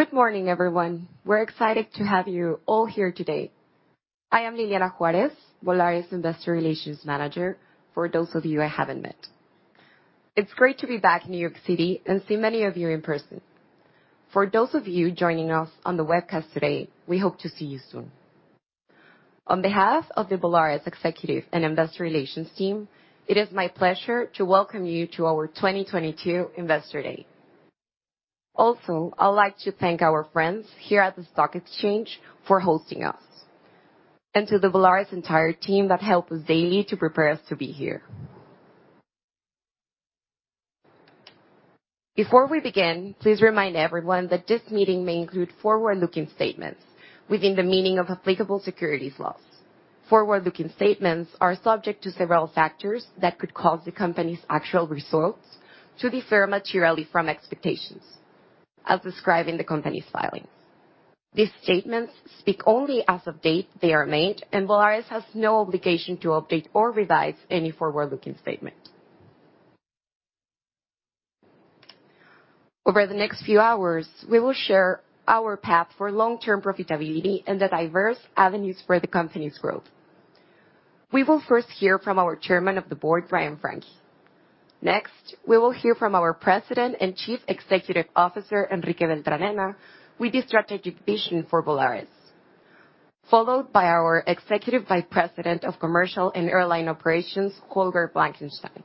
Good morning, everyone. We're excited to have you all here today. I am Liliana Juárez, Volaris Investor Relations Manager, for those of you I haven't met. It's great to be back in New York City and see many of you in person. For those of you joining us on the webcast today, we hope to see you soon. On behalf of the Volaris Executive and Investor Relations team, it is my pleasure to welcome you to our 2022 Investor Day. Also, I'd like to thank our friends here at the Stock Exchange for hosting us, and to the Volaris entire team that help us daily to prepare us to be here. Before we begin, please remind everyone that this meeting may include forward-looking statements within the meaning of applicable securities laws. Forward-looking statements are subject to several factors that could cause the company's actual results to differ materially from expectations, as described in the company's filings. These statements speak only as of date they are made, and Volaris has no obligation to update or revise any forward-looking statement. Over the next few hours, we will share our path for long-term profitability and the diverse avenues for the company's growth. We will first hear from our Chairman of the Board, Brian Franke. Next, we will hear from our President and Chief Executive Officer, Enrique Beltranena, with the strategic vision for Volaris, followed by our Executive Vice President of Commercial and Airline Operations, Holger Blankenstein,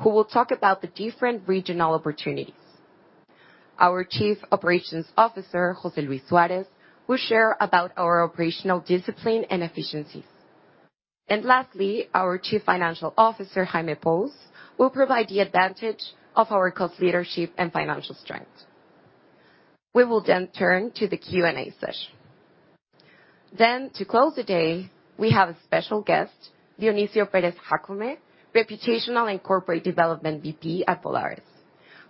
who will talk about the different regional opportunities. Our Chief Operations Officer, José Luis Suárez, will share about our operational discipline and efficiencies. Lastly, our Chief Financial Officer, Jaime Pous, will provide the advantage of our cost leadership and financial strength. We will then turn to the Q&A session. To close the day, we have a special guest, Dionisio Pérez-Jácome, Reputational and Corporate Development VP at Volaris,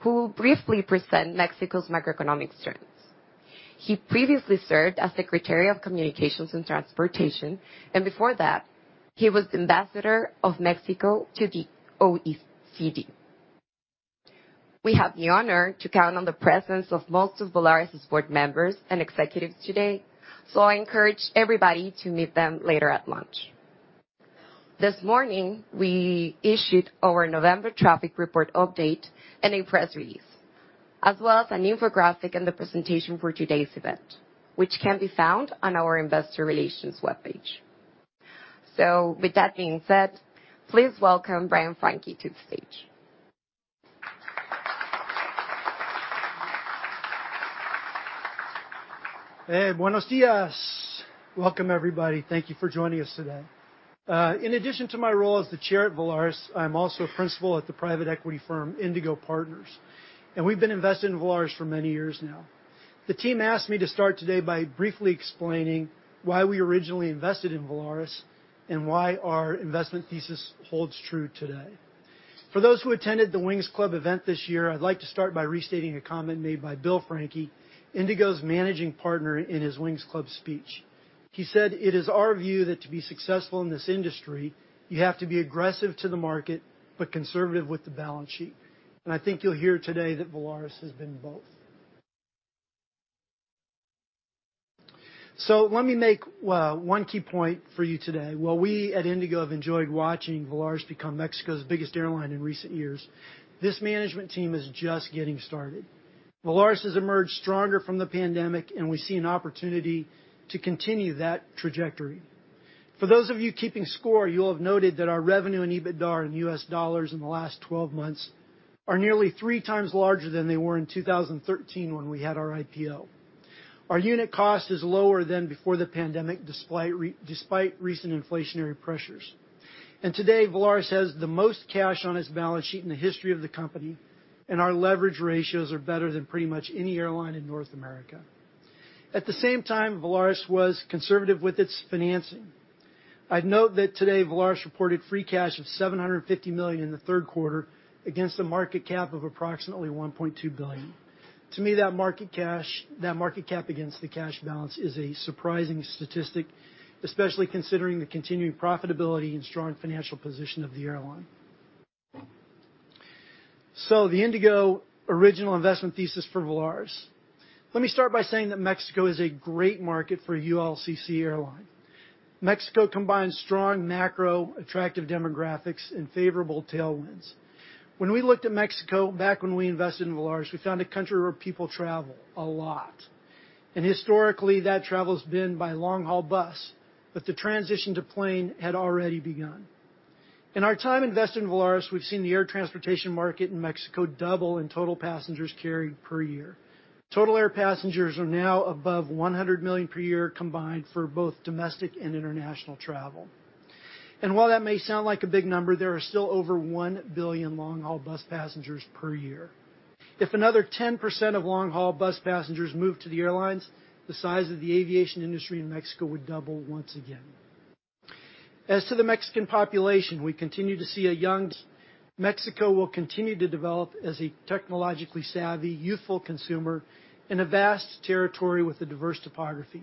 who will briefly present Mexico's macroeconomic strengths. He previously served as Secretary of Communications and Transportation, and before that, he was Ambassador of Mexico to the OECD. We have the honor to count on the presence of most of Volaris's board members and executives today. I encourage everybody to meet them later at lunch. This morning, we issued our November traffic report update and a press release, as well as an infographic and the presentation for today's event, which can be found on our investor relations webpage. With that being said, please welcome Brian Franke to the stage. Hey. Buenos días. Welcome, everybody. Thank you for joining us today. In addition to my role as the chair at Volaris, I'm also principal at the private equity firm Indigo Partners, and we've been invested in Volaris for many years now. The team asked me to start today by briefly explaining why we originally invested in Volaris and why our investment thesis holds true today. For those who attended the Wings Club event this year, I'd like to start by restating a comment made by Bill Franke, Indigo's managing partner, in his Wings Club speech. He said, "It is our view that to be successful in this industry, you have to be aggressive to the market, but conservative with the balance sheet." I think you'll hear today that Volaris has been both. Let me make, well, one key point for you today. While we at Indigo have enjoyed watching Volaris become Mexico's biggest airline in recent years, this management team is just getting started. Volaris has emerged stronger from the pandemic, and we see an opportunity to continue that trajectory. For those of you keeping score, you'll have noted that our revenue and EBITDA in US dollars in the last 12 months are nearly three times larger than they were in 2013 when we had our IPO. Our unit cost is lower than before the pandemic, despite recent inflationary pressures. Today, Volaris has the most cash on its balance sheet in the history of the company, and our leverage ratios are better than pretty much any airline in North America. At the same time, Volaris was conservative with its financing. I'd note that today, Volaris reported free cash of $750 million in the third quarter against a market cap of approximately $1.2 billion. To me, that market cap against the cash balance is a surprising statistic, especially considering the continuing profitability and strong financial position of the airline. The Indigo original investment thesis for Volaris. Let me start by saying that Mexico is a great market for ULCC airline. Mexico combines strong macro, attractive demographics, and favorable tailwinds. When we looked at Mexico back when we invested in Volaris, we found a country where people travel a lot. Historically, that travel's been by long-haul bus, but the transition to plane had already begun. In our time investing in Volaris, we've seen the air transportation market in Mexico double in total passengers carried per year. Total air passengers are now above 100 million per year combined for both domestic and international travel. While that may sound like a big number, there are still over 1 billion long-haul bus passengers per year. If another 10% of long-haul bus passengers move to the airlines, the size of the aviation industry in Mexico would double once again. As to the Mexican population, we continue to see a young Mexico will continue to develop as a technologically savvy, youthful consumer in a vast territory with a diverse topography.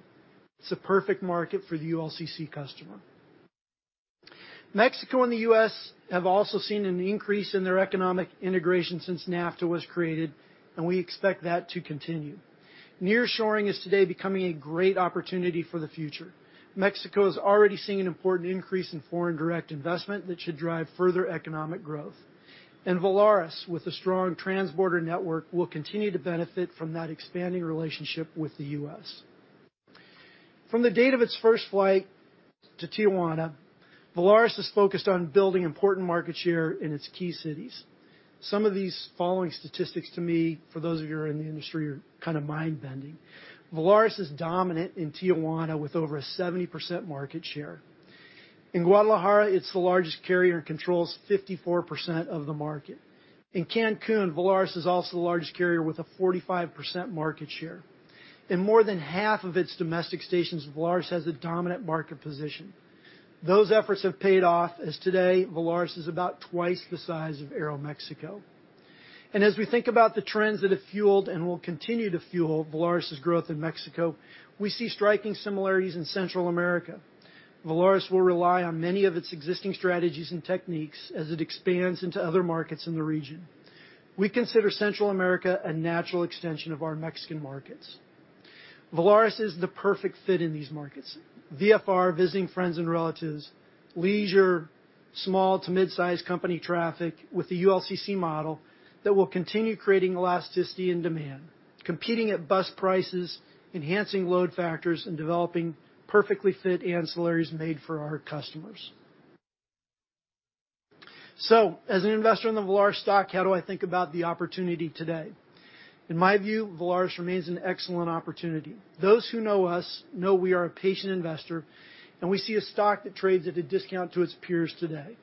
It's a perfect market for the ULCC customer. Mexico and the U.S. have also seen an increase in their economic integration since NAFTA was created, and we expect that to continue. Nearshoring is today becoming a great opportunity for the future. Mexico is already seeing an important increase in foreign direct investment that should drive further economic growth. Volaris, with a strong transborder network, will continue to benefit from that expanding relationship with the U.S. From the date of its first flight to Tijuana, Volaris is focused on building important market share in its key cities. Some of these following statistics to me, for those of you who are in the industry, are kind of mind-bending. Volaris is dominant in Tijuana with over a 70% market share. In Guadalajara, it's the largest carrier and controls 54% of the market. In Cancún, Volaris is also the largest carrier with a 45% market share. In more than half of its domestic stations, Volaris has a dominant market position. Those efforts have paid off as today Volaris is about twice the size of Aeroméxico. As we think about the trends that have fueled and will continue to fuel Volaris's growth in Mexico, we see striking similarities in Central America. Volaris will rely on many of its existing strategies and techniques as it expands into other markets in the region. We consider Central America a natural extension of our Mexican markets. Volaris is the perfect fit in these markets. VFR, visiting friends and relatives, leisure, small to mid-size company traffic with the ULCC model that will continue creating elasticity and demand, competing at bus prices, enhancing load factors, and developing perfectly fit ancillaries made for our customers. As an investor in the Volaris stock, how do I think about the opportunity today? In my view, Volaris remains an excellent opportunity. Those who know us know we are a patient investor, and we see a stock that trades at a discount to its peers today.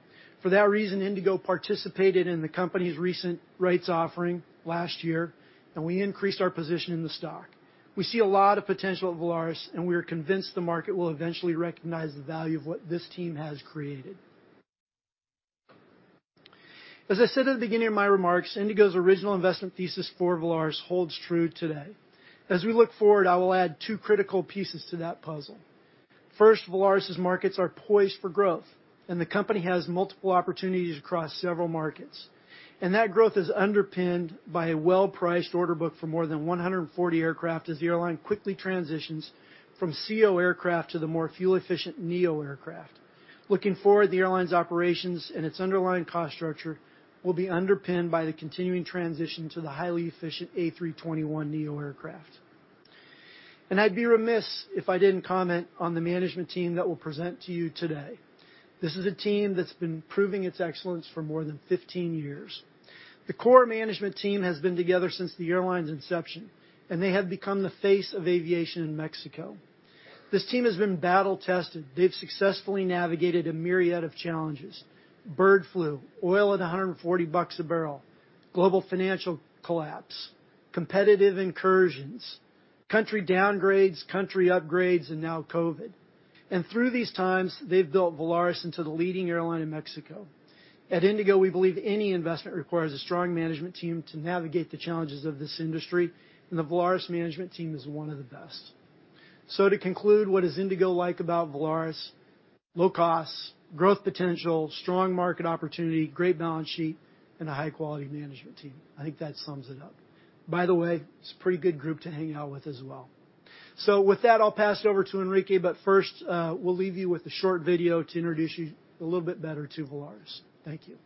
For that reason, Indigo participated in the company's recent rights offering last year, and we increased our position in the stock. We see a lot of potential at Volaris, and we are convinced the market will eventually recognize the value of what this team has created. As I said at the beginning of my remarks, Indigo's original investment thesis for Volaris holds true today. As we look forward, I will add two critical pieces to that puzzle. First, Volaris's markets are poised for growth, and the company has multiple opportunities across several markets. That growth is underpinned by a well-priced order book for more than 140 aircraft as the airline quickly transitions from ceo aircraft to the more fuel-efficient neo aircraft. Looking forward, the airline's operations and its underlying cost structure will be underpinned by the continuing transition to the highly efficient A321neo aircraft. I'd be remiss if I didn't comment on the management team that will present to you today. This is a team that's been proving its excellence for more than 15 years. The core management team has been together since the airline's inception, and they have become the face of aviation in Mexico. This team has been battle-tested. They've successfully navigated a myriad of challenges: bird flu, oil at $140 a barrel, global financial collapse, competitive incursions, country downgrades, country upgrades, and now COVID. Through these times, they've built Volaris into the leading airline in Mexico. At Indigo, we believe any investment requires a strong management team to navigate the challenges of this industry, and the Volaris management team is one of the best. To conclude, what does Indigo like about Volaris? Low costs, growth potential, strong market opportunity, great balance sheet, and a high-quality management team. I think that sums it up. By the way, it's a pretty good group to hang out with as well. With that, I'll pass it over to Enrique, but first, we'll leave you with a short video to introduce you a little bit better to Volaris. Thank you.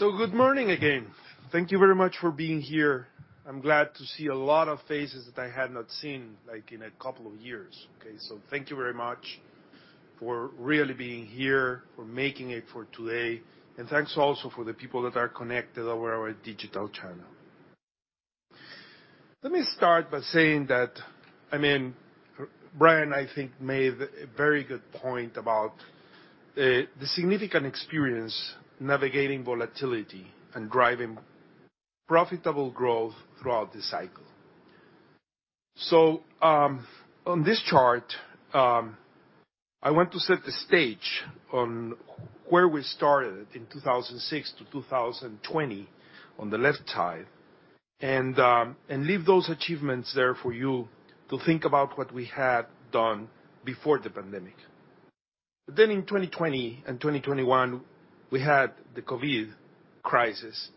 Good morning again. Thank you very much for being here. I'm glad to see a lot of faces that I had not seen, like, in a couple of years, okay. Thank you very much for really being here, for making it for today. Thanks also for the people that are connected over our digital channel. Let me start by saying that. I mean, Brian, I think, made a very good point about the significant experience navigating volatility and driving profitable growth throughout this cycle. On this chart, I want to set the stage on where we started in 2006 to 2020 on the left side, and leave those achievements there for you to think about what we had done before the pandemic. In 2020 and 2021, we had the COVID crisis,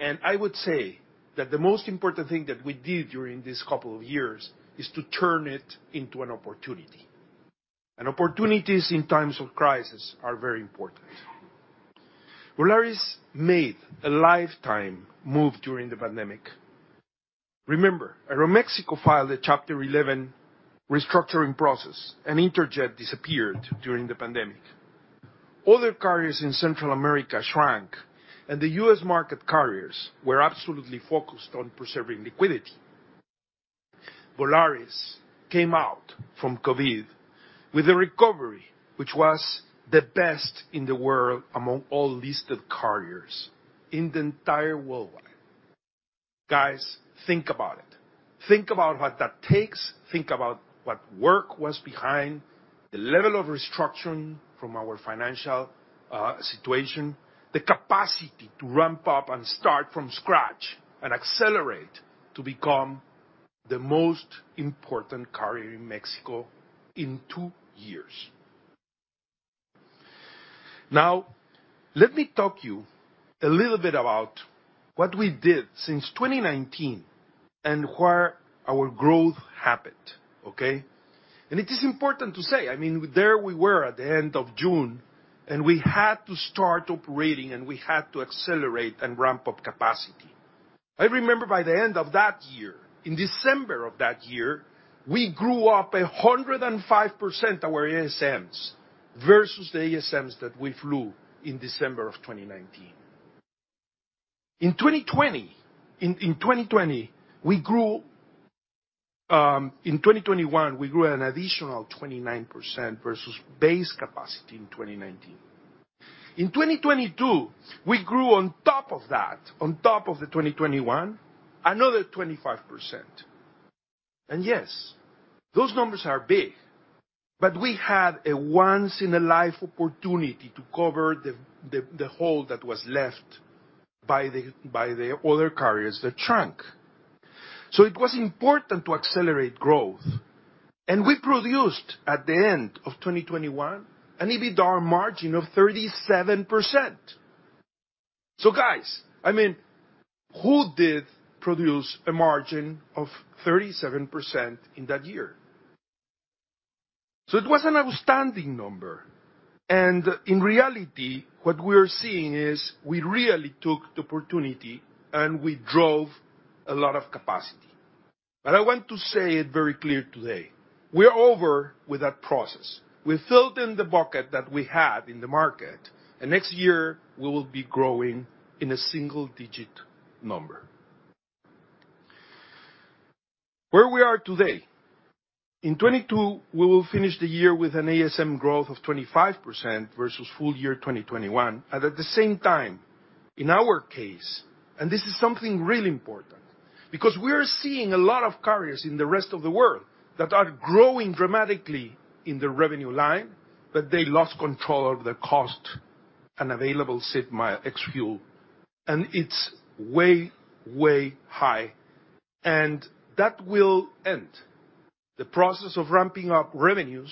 and I would say that the most important thing that we did during these couple of years is to turn it into an opportunity. Opportunities in times of crisis are very important. Volaris made a lifetime move during the pandemic. Remember, Aeroméxico filed a Chapter 11 restructuring process, and Interjet disappeared during the pandemic. Other carriers in Central America shrank, and the U.S. market carriers were absolutely focused on preserving liquidity. Volaris came out from COVID with a recovery, which was the best in the world among all listed carriers in the entire worldwide. Guys, think about it. Think about what that takes. Think about what work was behind the level of restructuring from our financial situation, the capacity to ramp up and start from scratch and accelerate to become the most important carrier in Mexico in two years. Let me talk to you a little bit about what we did since 2019 and where our growth happened. Okay? It is important to say, I mean, there we were at the end of June, and we had to start operating, and we had to accelerate and ramp up capacity. I remember by the end of that year, in December of that year, we grew up 105% our ASMs versus the ASMs that we flew in December of 2019. In 2020, we grew. In 2021, we grew an additional 29% versus base capacity in 2019. In 2022, we grew on top of that, on top of the 2021, another 25%. Yes, those numbers are big, but we had a once in a life opportunity to cover the hole that was left by the other carriers that shrunk. It was important to accelerate growth. We produced, at the end of 2021, an EBITDAR margin of 37%. Guys, I mean, who did produce a margin of 37% in that year? It was an outstanding number, and in reality, what we are seeing is we really took the opportunity, and we drove a lot of capacity. I want to say it very clear today, we are over with that process. We filled in the bucket that we had in the market. Next year we will be growing in a single-digit number. Where we are today. In 2022, we will finish the year with an ASM growth of 25% versus full year 2021. At the same time, in our case, and this is something really important, because we are seeing a lot of carriers in the rest of the world that are growing dramatically in the revenue line, but they lost control of the cost and Available Seat Mile ex-fuel, and it's way high. That will end. The process of ramping up revenues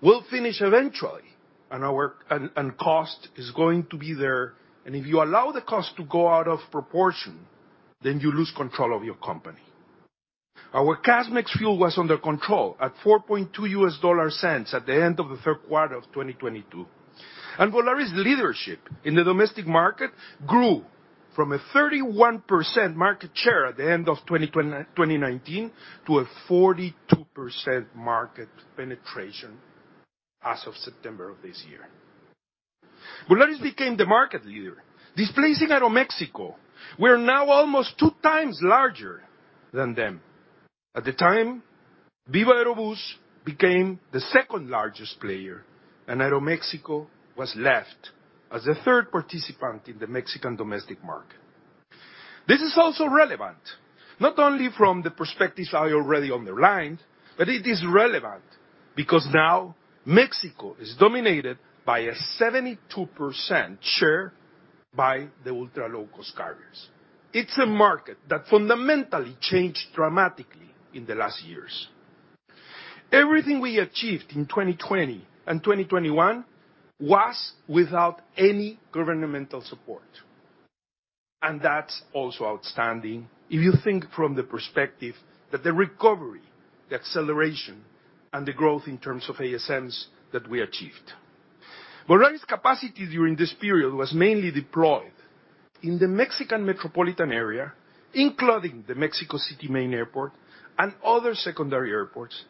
will finish eventually, and our cost is going to be there. If you allow the cost to go out of proportion, then you lose control of your company. Our CASK ex-fuel was under control at $0.042 at the end of the third quarter of 2022. Volaris leadership in the domestic market grew from a 31% market share at the end of 2019 to a 42% market penetration as of September of this year. Volaris became the market leader, displacing Aeroméxico. We are now almost two times larger than them. At the time, Viva Aerobus became the second-largest player, and Aeroméxico was left as a third participant in the Mexican domestic market. This is also relevant, not only from the perspectives I already underlined, but it is relevant because now Mexico is dominated by a 72% share by the ultra-low-cost carriers. It's a market that fundamentally changed dramatically in the last years. Everything we achieved in 2020 and 2021 was without any governmental support. That's also outstanding if you think from the perspective that the recovery, the acceleration, and the growth in terms of ASMs that we achieved. Volaris capacity during this period was mainly deployed in the Mexican metropolitan area, including the Mexico City main airport and other secondary airports,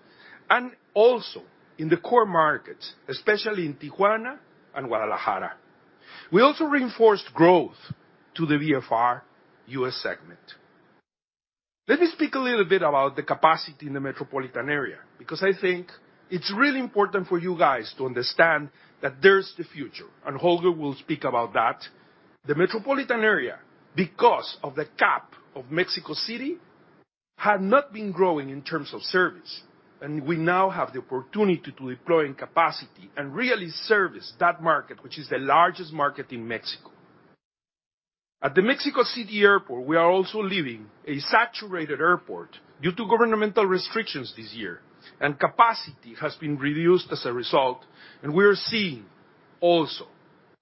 and also in the core markets, especially in Tijuana and Guadalajara. We also reinforced growth to the VFR U.S. segment. Let me speak a little bit about the capacity in the metropolitan area, because I think it's really important for you guys to understand that there's the future, and Holger will speak about that. The metropolitan area, because of the cap of Mexico City, had not been growing in terms of service, and we now have the opportunity to deploy in capacity and really service that market, which is the largest market in Mexico. At the Mexico City Airport, we are also leaving a saturated airport due to governmental restrictions this year, and capacity has been reduced as a result, and we are seeing also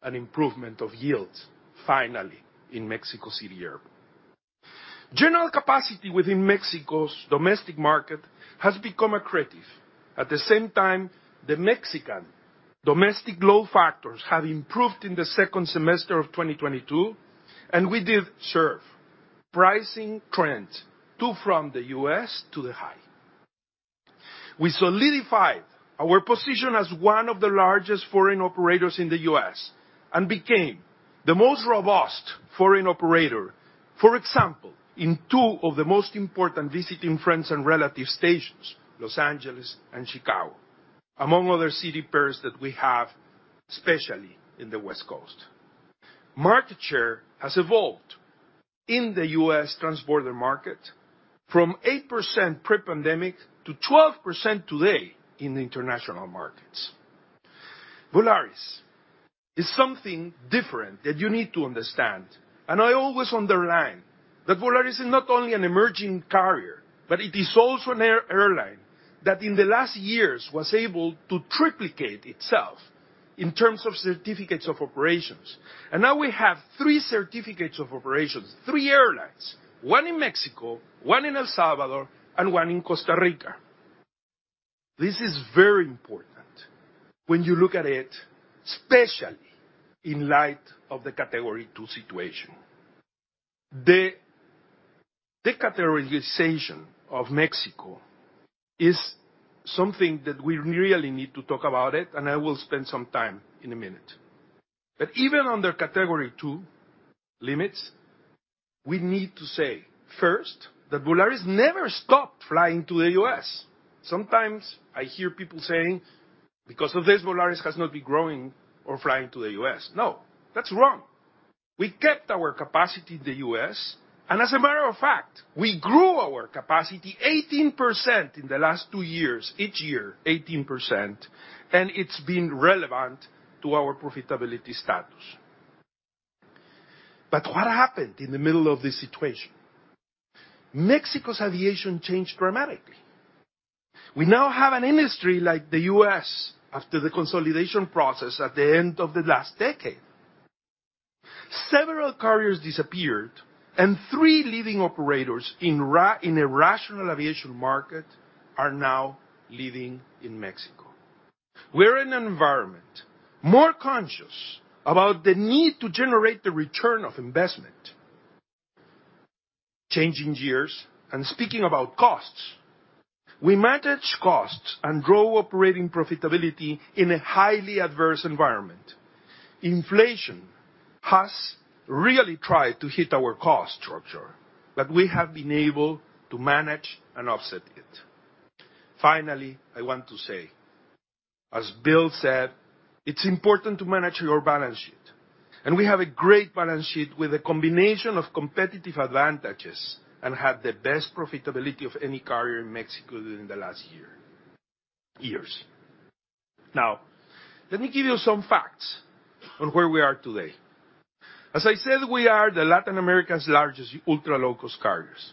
an improvement of yields finally in Mexico City Airport. General capacity within Mexico's domestic market has become accretive. At the same time, the Mexican domestic load factors have improved in the second semester of 2022, and we did serve pricing trends to from the U.S. to the high. We solidified our position as one of the largest foreign operators in the U.S. and became the most robust foreign operator, for example, in two of the most important visiting friends and relatives stations, Los Angeles and Chicago, among other city pairs that we have, especially in the West Coast. Market share has evolved in the U.S. transborder market from 8% pre-pandemic to 12% today in the international markets. Volaris is something different that you need to understand. I always underline that Volaris is not only an emerging carrier, but it is also an air-airline that in the last years was able to triplicate itself in terms of certificates of operations. Now we have three certificates of operations, three airlines, one in Mexico, one in El Salvador, and one in Costa Rica. This is very important when you look at it, especially in light of the Category Two situation. The categorization of Mexico is something that we really need to talk about it. I will spend some time in a minute. Even under Category Two limits, we need to say first that Volaris never stopped flying to the U.S. Sometimes I hear people saying, "Because of this, Volaris has not been growing or flying to the U.S." No, that's wrong. We kept our capacity in the U.S. As a matter of fact, we grew our capacity 18% in the last two years, each year 18%. It's been relevant to our profitability status. What happened in the middle of this situation? Mexico's aviation changed dramatically. We now have an industry like the U.S. after the consolidation process at the end of the last decade. Several carriers disappeared, and three leading operators in a rational aviation market are now living in Mexico. We're in an environment more conscious about the need to generate the return of investment. Changing gears and speaking about costs, we manage costs and grow operating profitability in a highly adverse environment. Inflation has really tried to hit our cost structure, but we have been able to manage and offset it. I want to say, as Bill said, it's important to manage your balance sheet, and we have a great balance sheet with a combination of competitive advantages and have the best profitability of any carrier in Mexico during the last year, years. Let me give you some facts on where we are today. As I said, we are the Latin America's largest ultra-low-cost carriers.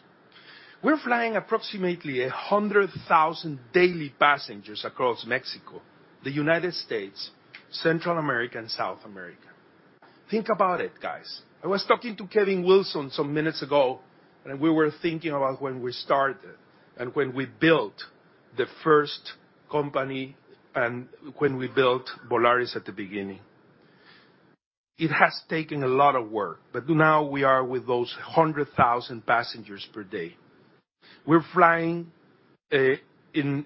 We're flying approximately 100,000 daily passengers across Mexico, the United States, Central America, and South America. Think about it, guys. I was talking to Kevin Wilson some minutes ago, and we were thinking about when we started and when we built the first company and when we built Volaris at the beginning. It has taken a lot of work, but now we are with those 100,000 passengers per day. We're flying in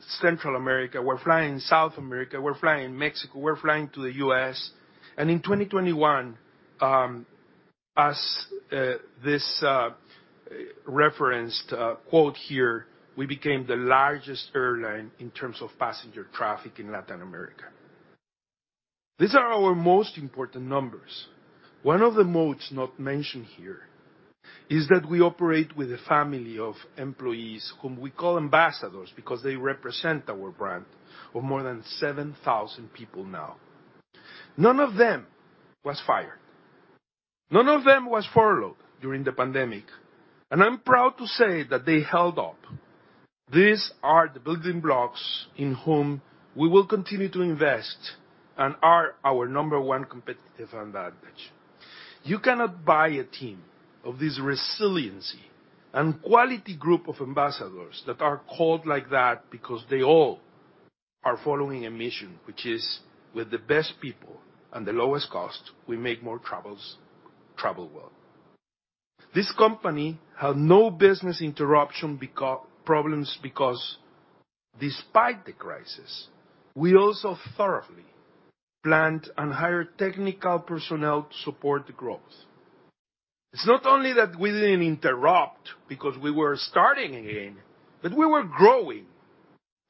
Central America, we're flying in South America, we're flying in Mexico, we're flying to the U.S. In 2021, as this referenced quote here, we became the largest airline in terms of passenger traffic in Latin America. These are our most important numbers. One of the modes not mentioned here is that we operate with a family of employees whom we call ambassadors because they represent our brand of more than 7,000 people now. None of them was fired. None of them was furloughed during the pandemic, and I'm proud to say that they held up. These are the building blocks in whom we will continue to invest and are our number 1 competitive advantage. You cannot buy a team of this resiliency and quality group of ambassadors that are called like that because they all are following a mission, which is, with the best people and the lowest cost, we make more travel well. This company had no business interruption problems because despite the crisis, we also thoroughly planned and hired technical personnel to support the growth. It's not only that we didn't interrupt because we were starting again, but we were growing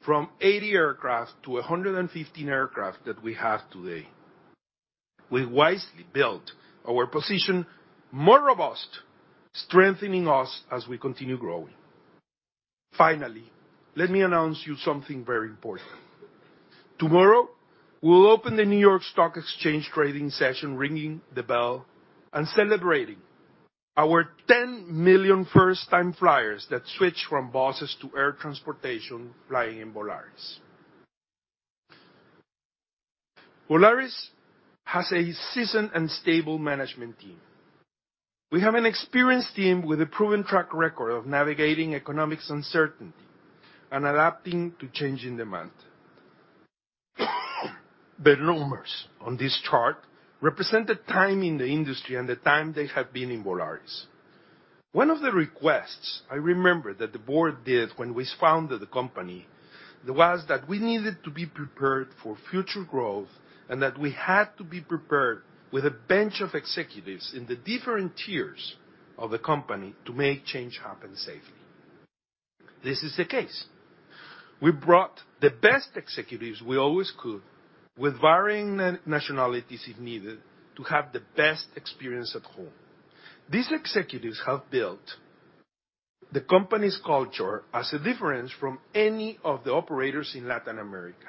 from 80 aircraft to 115 aircraft that we have today. We wisely built our position more robust, strengthening us as we continue growing. Finally, let me announce you something very important. Tomorrow, we'll open the New York Stock Exchange trading session, ringing the bell, and celebrating our 10 million first-time flyers that switch from buses to air transportation flying in Volaris. Volaris has a seasoned and stable management team. We have an experienced team with a proven track record of navigating economic uncertainty and adapting to changing demand. The numbers on this chart represent the time in the industry and the time they have been in Volaris. One of the requests I remember that the board did when we founded the company was that we needed to be prepared for future growth, and that we had to be prepared with a bench of executives in the different tiers of the company to make change happen safely. This is the case. We brought the best executives we always could with varying nationalities if needed, to have the best experience at home. These executives have built the company's culture as a difference from any of the operators in Latin America.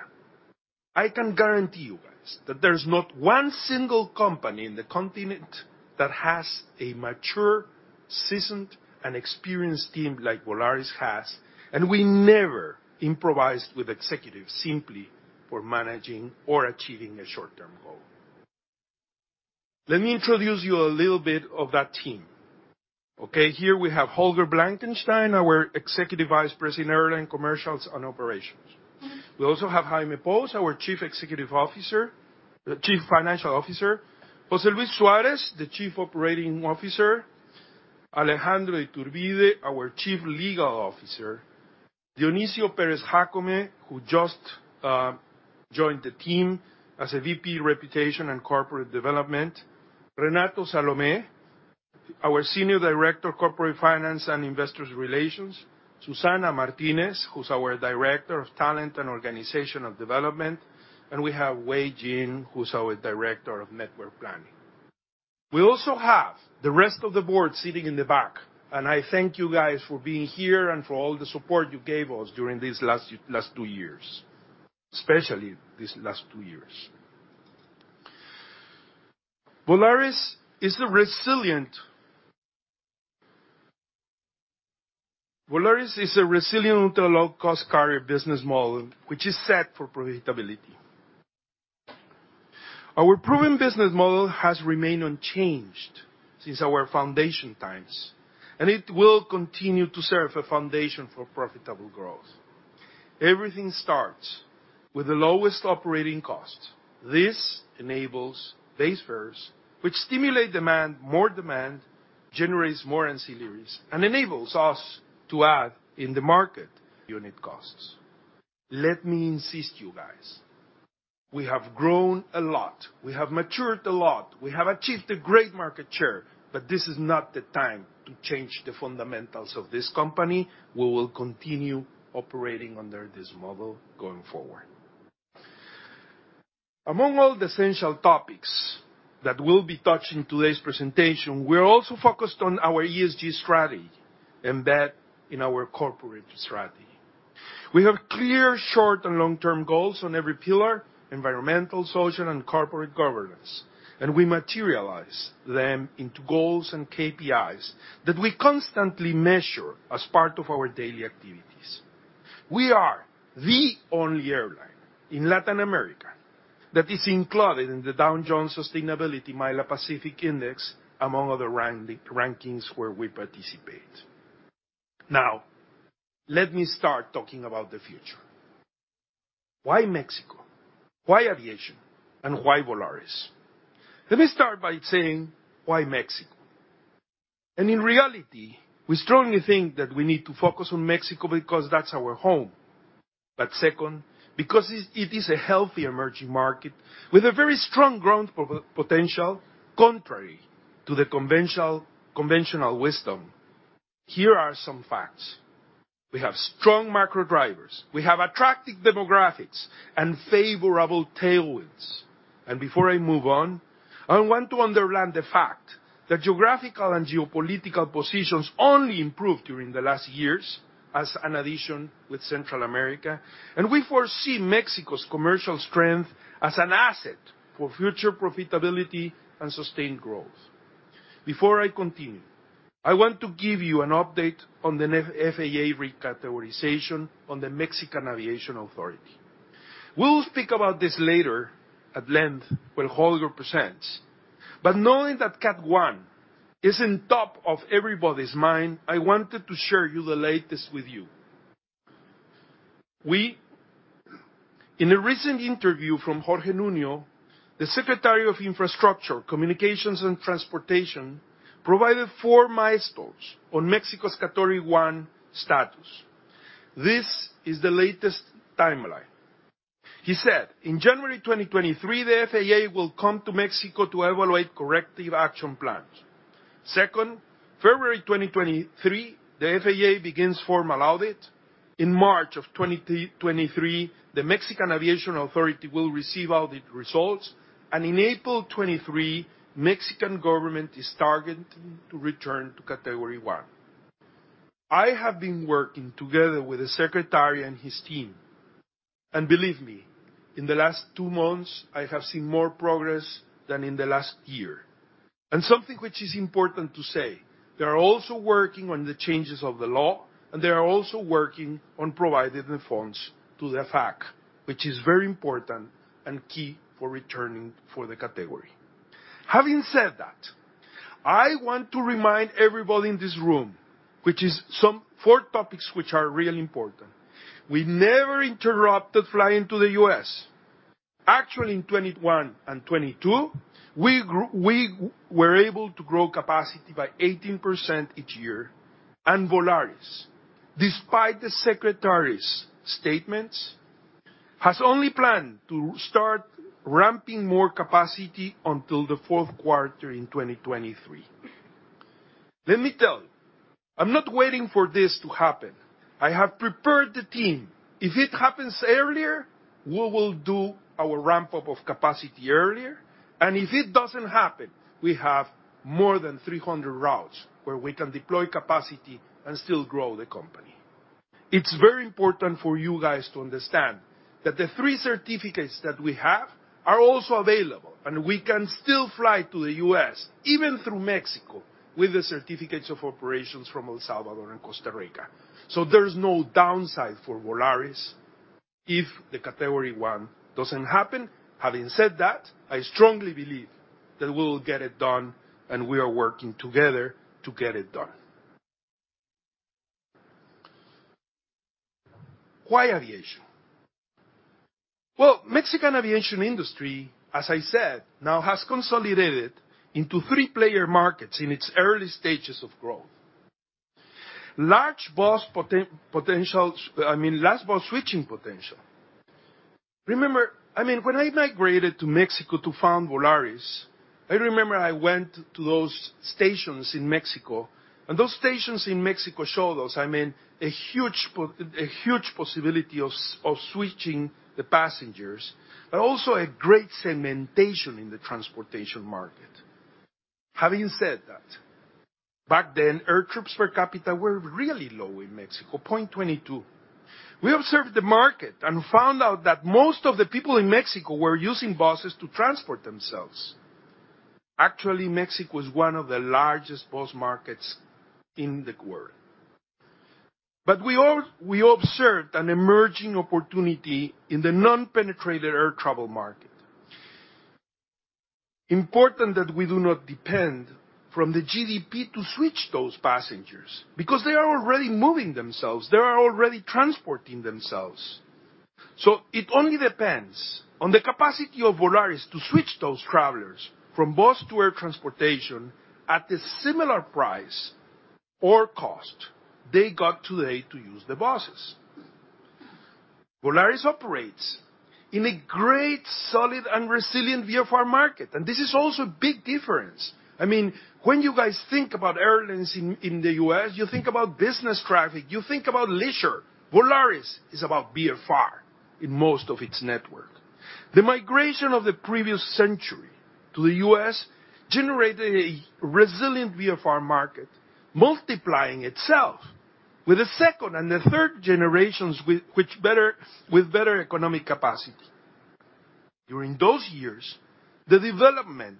I can guarantee you guys that there's not one single company in the continent that has a mature, seasoned, and experienced team like Volaris has, and we never improvised with executives simply for managing or achieving a short-term goal. Let me introduce you a little bit of that team. Here we have Holger Blankenstein, our Executive Vice President Airline Commercial and Operations. We also have Jaime Pous, our Chief Financial Officer. José Luis Suárez, the Chief Operating Officer. Alejandro Iturbe, our Chief Legal Officer. Dionisio Pérez-Jácome, who just joined the team as a VP, Reputation and Corporate Development. Renato Salomone, our Senior Director, Corporate Finance and Investor Relations. Susana Martínez, who's our Director of Talent and Organizational Development. We have Wei Jin, who's our Director of Network Planning. We also have the rest of the board sitting in the back. I thank you guys for being here and for all the support you gave us during these last two years, especially these last two years. Volaris is a resilient, ultra-low-cost carrier business model which is set for profitability. Our proven business model has remained unchanged since our foundation times. It will continue to serve a foundation for profitable growth. Everything starts with the lowest operating cost. This enables base fares, which stimulate demand. More demand generates more ancillaries and enables us to add in the market unit costs. Let me insist you guys, we have grown a lot, we have matured a lot, we have achieved a great market share, but this is not the time to change the fundamentals of this company. We will continue operating under this model going forward. Among all the essential topics that we'll be touching today's presentation, we're also focused on our ESG strategy, embed in our corporate strategy. We have clear short and long-term goals on every pillar, environmental, social, and corporate governance. We materialize them into goals and KPIs that we constantly measure as part of our daily activities. We are the only airline in Latin America that is included in the Dow Jones Sustainability MILA Pacific Alliance Index, among other rankings where we participate. Now, let me start talking about the future. Why Mexico? Why aviation? Why Volaris? Let me start by saying why Mexico. In reality, we strongly think that we need to focus on Mexico because that's our home. Second, because it is a healthy emerging market with a very strong growth potential, contrary to the conventional wisdom. Here are some facts. We have strong macro drivers. We have attractive demographics and favorable tailwinds. Before I move on, I want to underline the fact that geographical and geopolitical positions only improved during the last years as an addition with Central America, and we foresee Mexico's commercial strength as an asset for future profitability and sustained growth. Before I continue, I want to give you an update on the FAA recategorization on the Mexican Aviation Authority. We'll speak about this later at length when Holger presents. Knowing that CAT 1 is in top of everybody's mind, I wanted to share you the latest with you. In a recent interview from Jorge Nuño, the Secretary of Infrastructure, Communications, and Transportation, provided four milestones on Mexico's Category One status. This is the latest timeline. He said, in January 2023, the FAA will come to Mexico to evaluate corrective action plans. Second, February 2023, the FAA begins formal audit. In March of 2023, the Mexican Aviation Authority will receive audit results. In April 2023, Mexican government is targeting to return to Category 1. I have been working together with the secretary and his team. Believe me, in the last 2 months, I have seen more progress than in the last year. Something which is important to say, they are also working on the changes of the law. They are also working on providing the funds to the FAA, which is very important and key for returning for the category. Having said that, I want to remind everybody in this room, which is some four topics which are really important. We never interrupted flying to the U.S. Actually, in 2021 and 2022, we were able to grow capacity by 18% each year. Volaris, despite the secretary's statements, has only planned to start ramping more capacity until the fourth quarter in 2023. Let me tell you, I'm not waiting for this to happen. I have prepared the team. If it happens earlier, we will do our ramp-up of capacity earlier. If it doesn't happen, we have more than 300 routes where we can deploy capacity and still grow the company. It's very important for you guys to understand that the three certificates that we have are also available, and we can still fly to the U.S., even through Mexico, with the certificates of operations from El Salvador and Costa Rica. There's no downside for Volaris if the Category 1 doesn't happen. Having said that, I strongly believe that we'll get it done, and we are working together to get it done. Why aviation? Well, Mexican aviation industry, as I said, now has consolidated into three-player markets in its early stages of growth. Large bus potentials, I mean, large bus switching potential. Remember, I mean, when I migrated to Mexico to found Volaris, I remember I went to those stations in Mexico. Those stations in Mexico showed us, I mean, a huge possibility of switching the passengers, also a great segmentation in the transportation market. Having said that, back then, air trips per capita were really low in Mexico, 0.22. We observed the market and found out that most of the people in Mexico were using buses to transport themselves. Actually, Mexico is one of the largest bus markets in the world. We all, we observed an emerging opportunity in the non-penetrated air travel market. Important that we do not depend from the GDP to switch those passengers, because they are already moving themselves, they are already transporting themselves. It only depends on the capacity of Volaris to switch those travelers from bus to air transportation at the similar price or cost they got today to use the buses. Volaris operates in a great, solid, and resilient VFR market. This is also a big difference. I mean, when you guys think about airlines in the U.S., you think about business traffic, you think about leisure. Volaris is about VFR in most of its network. The migration of the previous century to the U.S. generated a resilient VFR market, multiplying itself with the second and the third generations with better economic capacity. During those years, the development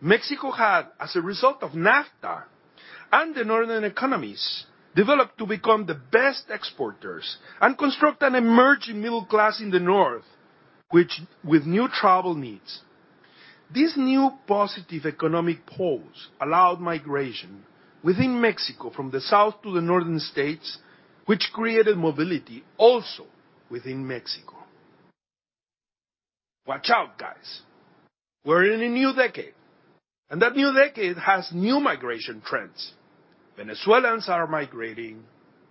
Mexico had as a result of NAFTA and the Northern economies developed to become the best exporters and construct an emerging middle class in the North, which with new travel needs. This new positive economic pulse allowed migration within Mexico from the south to the northern states, which created mobility also within Mexico. Watch out, guys. We're in a new decade, that new decade has new migration trends. Venezuelans are migrating,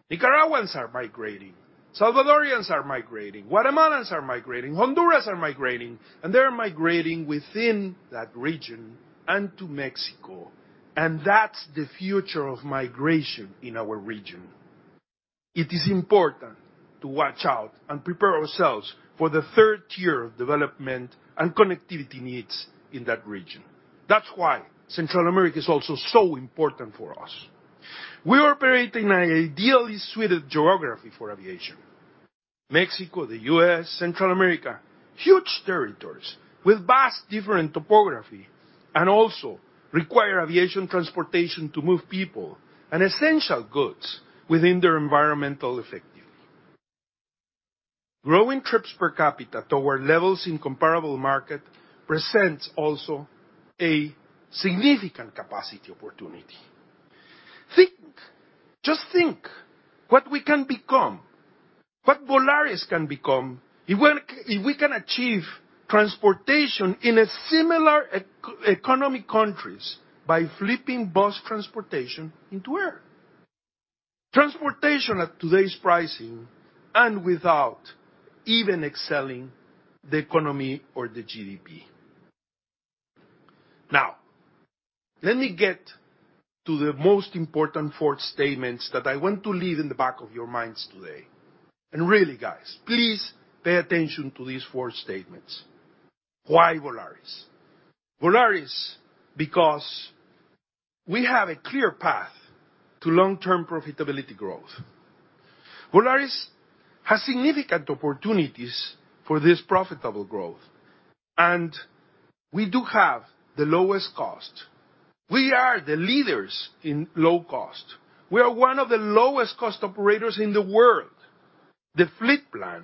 Nicaraguans are migrating, Salvadorians are migrating, Guatemalans are migrating, Honduras are migrating, and they're migrating within that region and to Mexico. That's the future of migration in our region. It is important to watch out and prepare ourselves for the third tier of development and connectivity needs in that region. That's why Central America is also so important for us. We operate in an ideally suited geography for aviation. Mexico, the U.S., Central America, huge territories with vast different topography, also require aviation transportation to move people and essential goods within their environmental effectively. Growing trips per capita toward levels in comparable market presents also a significant capacity opportunity. Just think what we can become, what Volaris can become if we can achieve transportation in similar economic countries by flipping bus transportation into air. Transportation at today's pricing without even excelling the economy or the GDP. Let me get to the most important four statements that I want to leave in the back of your minds today. Really, guys, please pay attention to these four statements. Why Volaris? Volaris because we have a clear path to long-term profitability growth. Volaris has significant opportunities for this profitable growth, we do have the lowest cost. We are the leaders in low cost. We are one of the lowest cost operators in the world. The fleet plan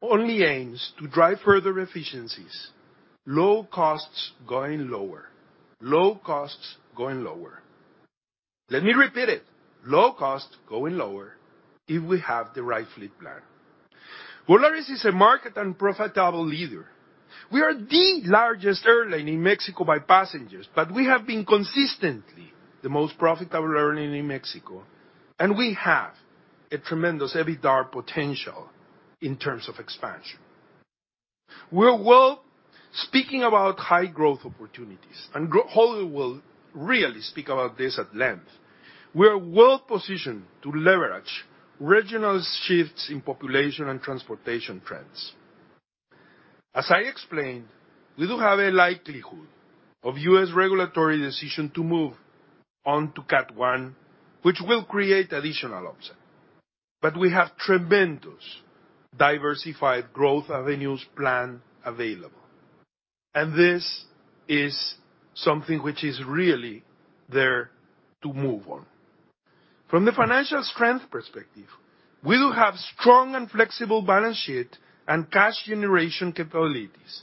only aims to drive further efficiencies, low costs going lower, low costs going lower. Let me repeat it, low costs going lower if we have the right fleet plan. Volaris is a market and profitable leader. We are the largest airline in Mexico by passengers, but we have been consistently the most profitable airline in Mexico, and we have a tremendous EBITDA potential in terms of expansion. We are well. Speaking about high growth opportunities, Holger will really speak about this at length. We are well-positioned to leverage regional shifts in population and transportation trends. As I explained, we do have a likelihood of U.S. regulatory decision to move on to CAT 1, which will create additional upside. We have tremendous diversified growth avenues plan available. This is something which is really there to move on. From the financial strength perspective, we do have strong and flexible balance sheet and cash generation capabilities.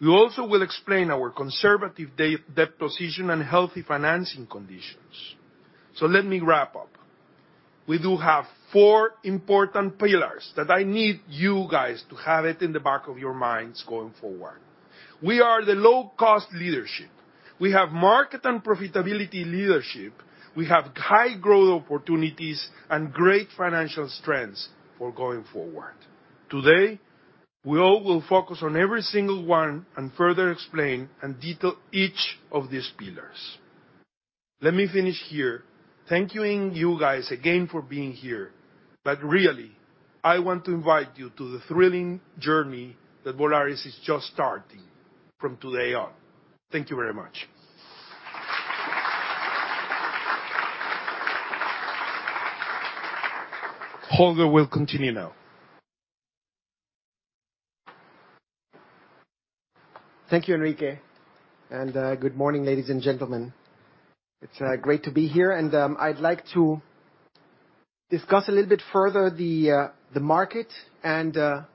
We also will explain our conservative debt position and healthy financing conditions. Let me wrap up. We do have four important pillars that I need you guys to have it in the back of your minds going forward. We are the low cost leadership. We have market and profitability leadership. We have high growth opportunities and great financial strengths for going forward. Today, we all will focus on every single one and further explain and detail each of these pillars. Let me finish here, thanking you guys again for being here. Really, I want to invite you to the thrilling journey that Volaris is just starting from today on. Thank you very much. Holger will continue now. Thank you, Enrique. Good morning, ladies and gentlemen. It's great to be here, and I'd like to discuss a little bit further the market and the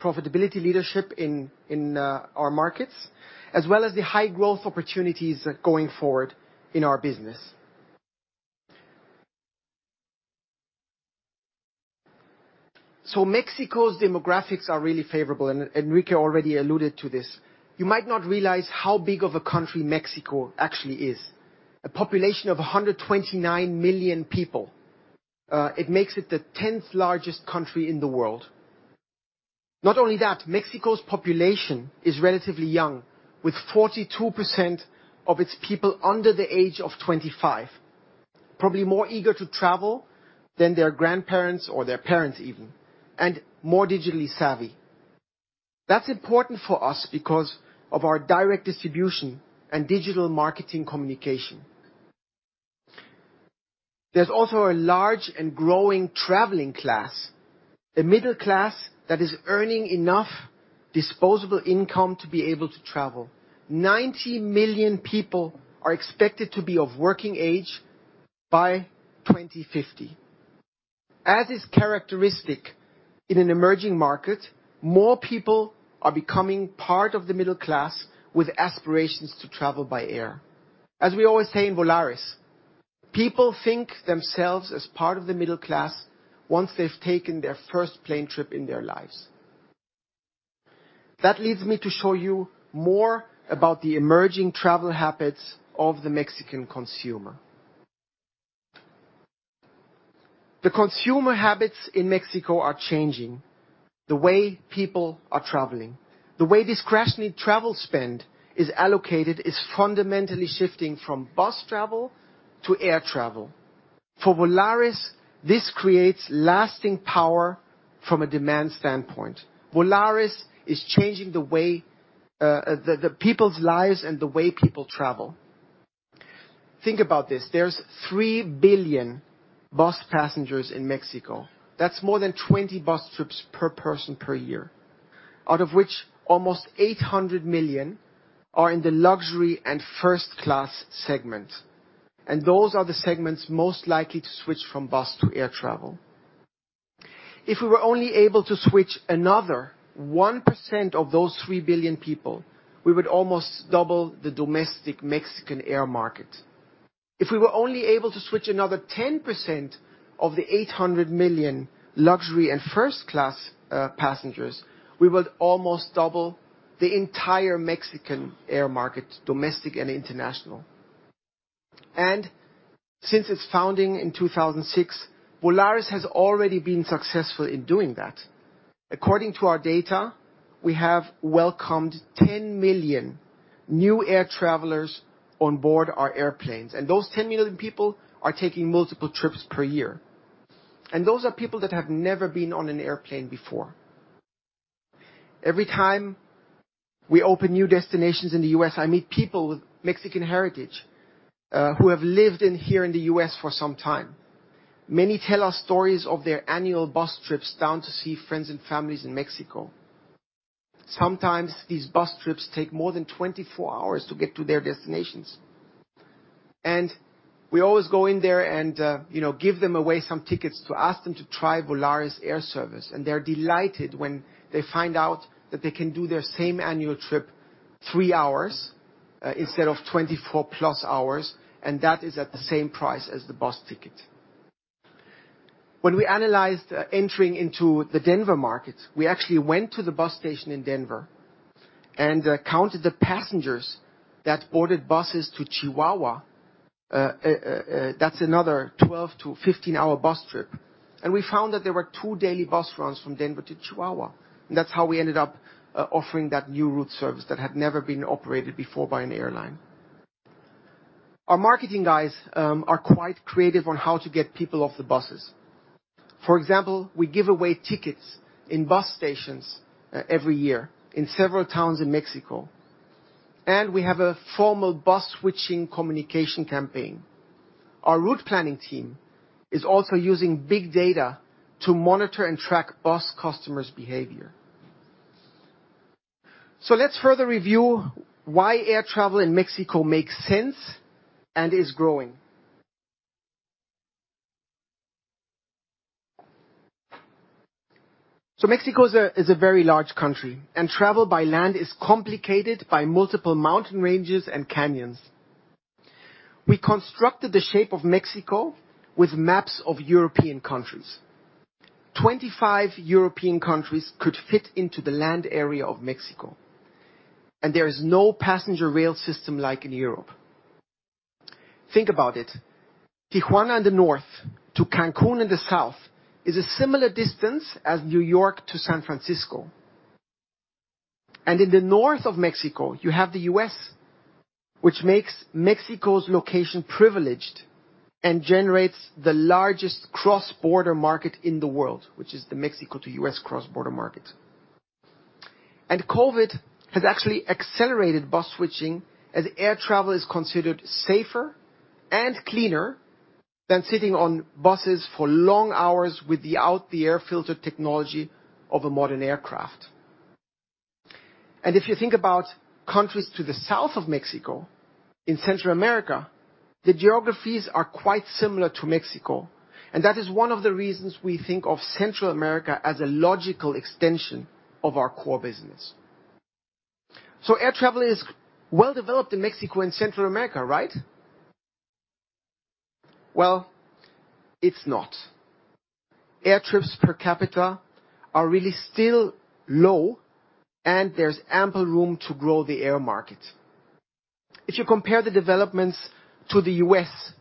profitability leadership in our markets, as well as the high growth opportunities going forward in our business. Mexico's demographics are really favorable, and Enrique already alluded to this. You might not realize how big of a country Mexico actually is. A population of 129 million people. It makes it the tenth-largest country in the world. Not only that, Mexico's population is relatively young, with 42% of its people under the age of 25, probably more eager to travel than their grandparents or their parents even, and more digitally savvy. That's important for us because of our direct distribution and digital marketing communication. There's also a large and growing traveling class, a middle class that is earning enough disposable income to be able to travel. 90 million people are expected to be of working age by 2050. As is characteristic in an emerging market, more people are becoming part of the middle class with aspirations to travel by air. As we always say in Volaris, people think themselves as part of the middle class once they've taken their first plane trip in their lives. That leads me to show you more about the emerging travel habits of the Mexican consumer. The consumer habits in Mexico are changing the way people are traveling. The way discretionary travel spend is allocated is fundamentally shifting from bus travel to air travel. For Volaris, this creates lasting power from a demand standpoint. Volaris is changing the way people's lives and the way people travel. Think about this, there's 3 billion bus passengers in Mexico. That's more than 20 bus trips per person per year. Out of which almost 800 million are in the luxury and first class segment, and those are the segments most likely to switch from bus to air travel. If we were only able to switch another 1% of those three billion people, we would almost double the domestic Mexican air market. If we were only able to switch another 10% of the 800 million luxury and first class passengers, we would almost double the entire Mexican air market, domestic and international. Since its founding in 2006, Volaris has already been successful in doing that. According to our data, we have welcomed 10 million new air travelers on board our airplanes. Those 10 million people are taking multiple trips per year. Those are people that have never been on an airplane before. Every time we open new destinations in the U.S., I meet people with Mexican heritage who have lived in here in the U.S. for some time. Many tell us stories of their annual bus trips down to see friends and families in Mexico. Sometimes these bus trips take more than 24 hours to get to their destinations. We always go in there and, you know, give them away some tickets to ask them to try Volaris air service. They're delighted when they find out that they can do their same annual trip 3 hours, instead of 24+ hours, and that is at the same price as the bus ticket. When we analyzed entering into the Denver market, we actually went to the bus station in Denver and counted the passengers that boarded buses to Chihuahua. That's another 12-15-hour bus trip. We found that there were 2 daily bus runs from Denver to Chihuahua. That's how we ended up offering that new route service that had never been operated before by an airline. Our marketing guys are quite creative on how to get people off the buses. For example, we give away tickets in bus stations every year in several towns in Mexico, and we have a formal bus switching communication campaign. Our route planning team is also using big data to monitor and track bus customers' behavior. Let's further review why air travel in Mexico makes sense and is growing. Mexico is a very large country, and travel by land is complicated by multiple mountain ranges and canyons. We constructed the shape of Mexico with maps of European countries. 25 European countries could fit into the land area of Mexico, and there is no passenger rail system like in Europe. Think about it. Tijuana in the north to Cancun in the south is a similar distance as New York to San Francisco. In the north of Mexico you have the U.S., which makes Mexico's location privileged and generates the largest cross-border market in the world, which is the Mexico to U.S. cross-border market. COVID has actually accelerated bus switching, as air travel is considered safer and cleaner than sitting on buses for long hours without the air filter technology of a modern aircraft. If you think about countries to the south of Mexico, in Central America, the geographies are quite similar to Mexico. That is one of the reasons we think of Central America as a logical extension of our core business. Air travel is well developed in Mexico and Central America, right? Well, it's not. Air trips per capita are really still low, and there's ample room to grow the air market. If you compare the developments to the U.S.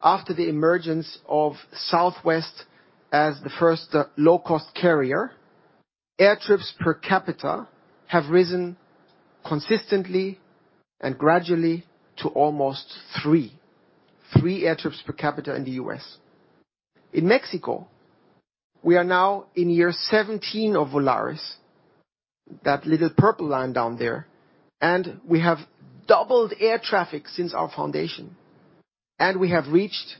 after the emergence of Southwest as the first low-cost carrier, air trips per capita have risen consistently and gradually to almost 3. 3 air trips per capita in the U.S. In Mexico, we are now in year 17 of Volaris, that little purple line down there, and we have doubled air traffic since our foundation. We have reached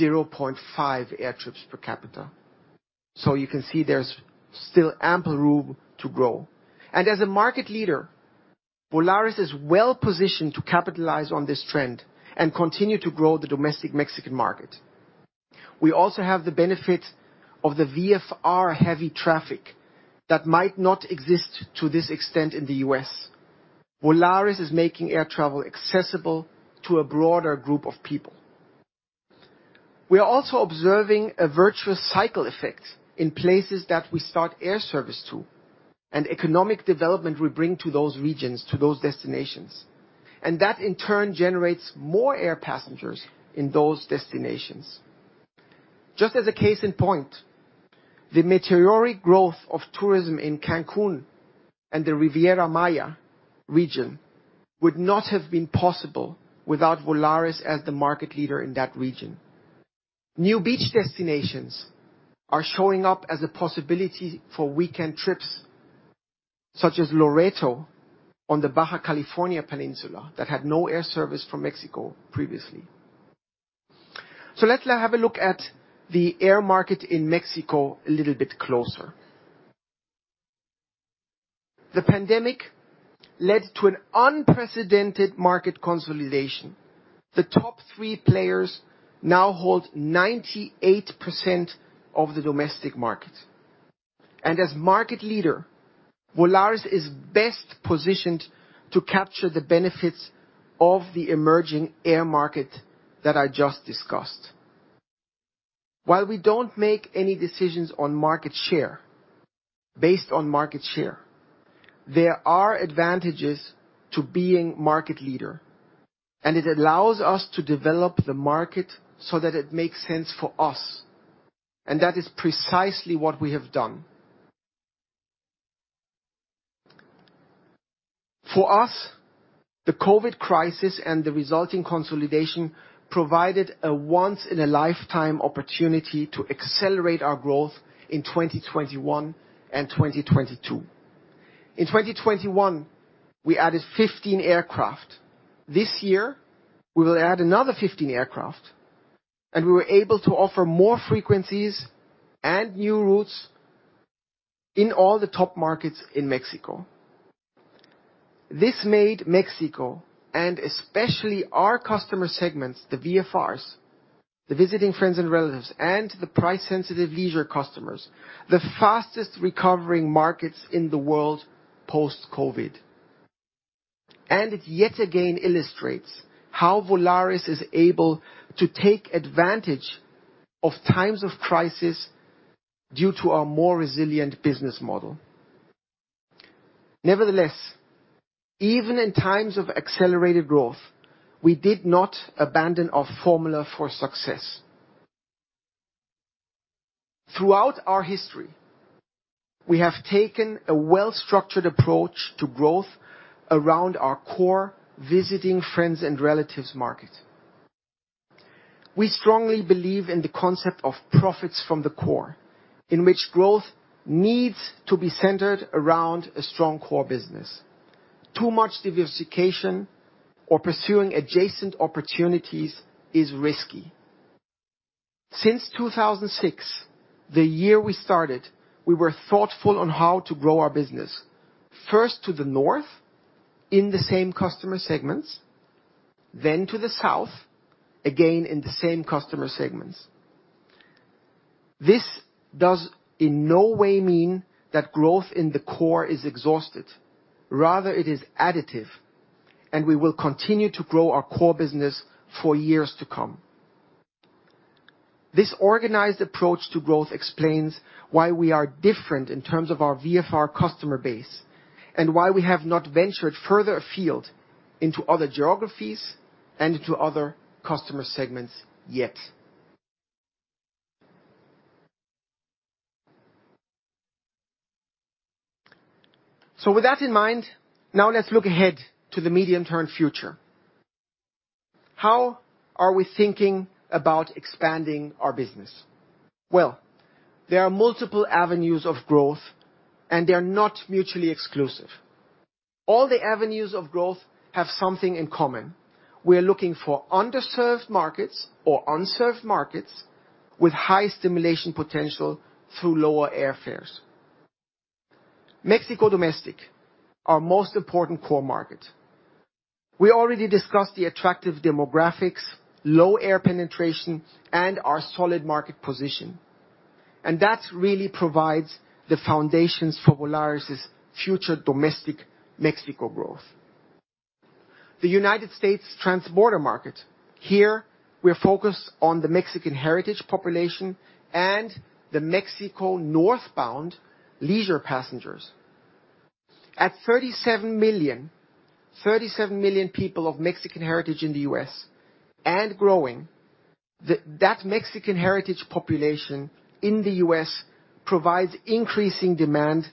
0.5 air trips per capita. So you can see there's still ample room to grow. As a market leader, Volaris is well-positioned to capitalize on this trend and continue to grow the domestic Mexican market. We also have the benefit of the VFR heavy traffic that might not exist to this extent in the U.S. Volaris is making air travel accessible to a broader group of people. We are also observing a virtuous cycle effect in places that we start air service to, and economic development we bring to those regions, to those destinations. That, in turn, generates more air passengers in those destinations. Just as a case in point, the meteoric growth of tourism in Cancun and the Riviera Maya region would not have been possible without Volaris as the market leader in that region. New beach destinations are showing up as a possibility for weekend trips, such as Loreto on the Baja California Peninsula that had no air service from Mexico previously. Let's have a look at the air market in Mexico a little bit closer. The pandemic led to an unprecedented market consolidation. The top three players now hold 98% of the domestic market. As market leader, Volaris is best positioned to capture the benefits of the emerging air market that I just discussed. While we don't make any decisions on market share based on market share, there are advantages to being market leader, and it allows us to develop the market so that it makes sense for us. That is precisely what we have done. For us, the COVID crisis and the resulting consolidation provided a once in a lifetime opportunity to accelerate our growth in 2021 and 2022. In 2021, we added 15 aircraft. This year, we will add another 15 aircraft, and we were able to offer more frequencies and new routes in all the top markets in Mexico. This made Mexico, and especially our customer segments, the VFRs, the visiting friends and relatives, and the price-sensitive leisure customers, the fastest-recovering markets in the world post-COVID. It yet again illustrates how Volaris is able to take advantage of times of crisis due to our more resilient business model. Nevertheless, even in times of accelerated growth, we did not abandon our formula for success. Throughout our history, we have taken a well-structured approach to growth around our core visiting friends and relatives market. We strongly believe in the concept of profits from the core, in which growth needs to be centered around a strong core business. Too much diversification or pursuing adjacent opportunities is risky. Since 2006, the year we started, we were thoughtful on how to grow our business, first to the north in the same customer segments, then to the south, again in the same customer segments. This does in no way mean that growth in the core is exhausted. Rather, it is additive. We will continue to grow our core business for years to come. This organized approach to growth explains why we are different in terms of our VFR customer base and why we have not ventured further afield into other geographies and to other customer segments yet. With that in mind, now let's look ahead to the medium-term future. How are we thinking about expanding our business? Well, there are multiple avenues of growth, and they are not mutually exclusive. All the avenues of growth have something in common. We are looking for underserved markets or unserved markets with high stimulation potential through lower airfares. Mexico domestic, our most important core market. We already discussed the attractive demographics, low air penetration, and our solid market position. That really provides the foundations for Volaris' future domestic Mexico growth. The United States transborder market. Here, we are focused on the Mexican heritage population and the Mexico northbound leisure passengers. At 37 million people of Mexican heritage in the U.S. and growing, that Mexican heritage population in the U.S. provides increasing demand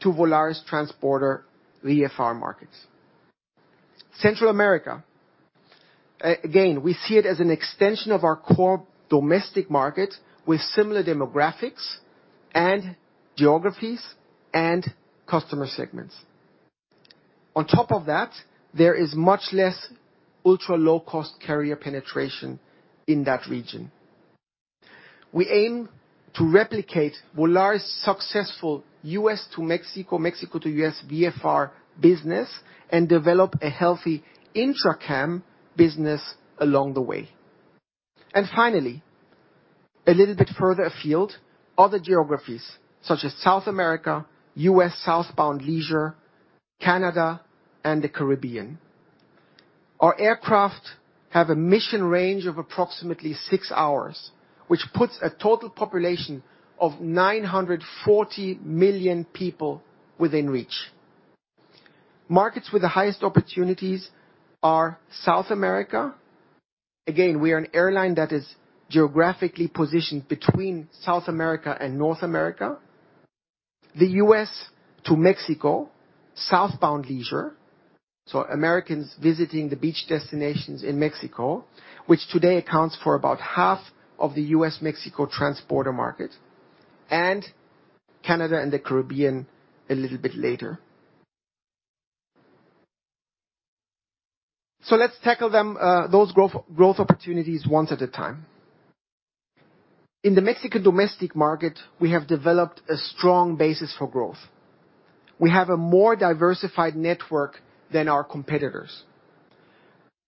to Volaris transborder VFR markets. Central America. Again, we see it as an extension of our core domestic market with similar demographics and geographies and customer segments. On top of that, there is much less ultra-low-cost carrier penetration in that region. We aim to replicate Volaris' successful U.S. to Mexico to U.S. VFR business and develop a healthy intra-CAM business along the way. Finally, a little bit further afield, other geographies, such as South America, U.S. southbound leisure, Canada, and the Caribbean. Our aircraft have a mission range of approximately six hours, which puts a total population of 940 million people within reach. Markets with the highest opportunities are South America. We are an airline that is geographically positioned between South America and North America. The U.S. to Mexico, southbound leisure, Americans visiting the beach destinations in Mexico, which today accounts for about half of the U.S.-Mexico transporter market, and Canada and the Caribbean a little bit later. Let's tackle them, those growth opportunities once at a time. In the Mexican domestic market, we have developed a strong basis for growth. We have a more diversified network than our competitors.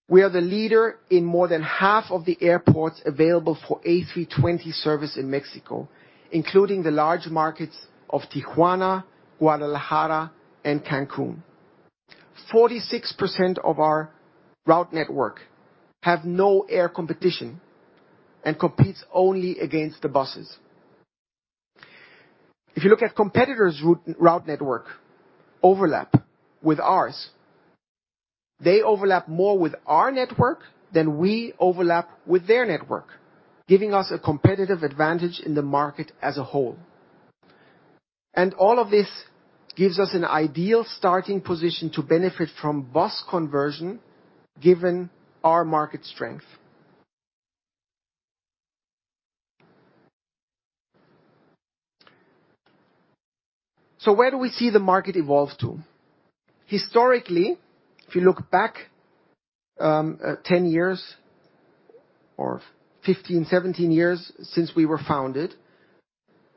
We are the leader in more than half of the airports available for A320 service in Mexico, including the large markets of Tijuana, Guadalajara, and Cancun. 46% of our route network have no air competition and competes only against the buses. If you look at competitors' route network overlap with ours, they overlap more with our network than we overlap with their network, giving us a competitive advantage in the market as a whole. All of this gives us an ideal starting position to benefit from bus conversion, given our market strength. Where do we see the market evolve to? Historically, if you look back, 10 years or 15, 17 years since we were founded,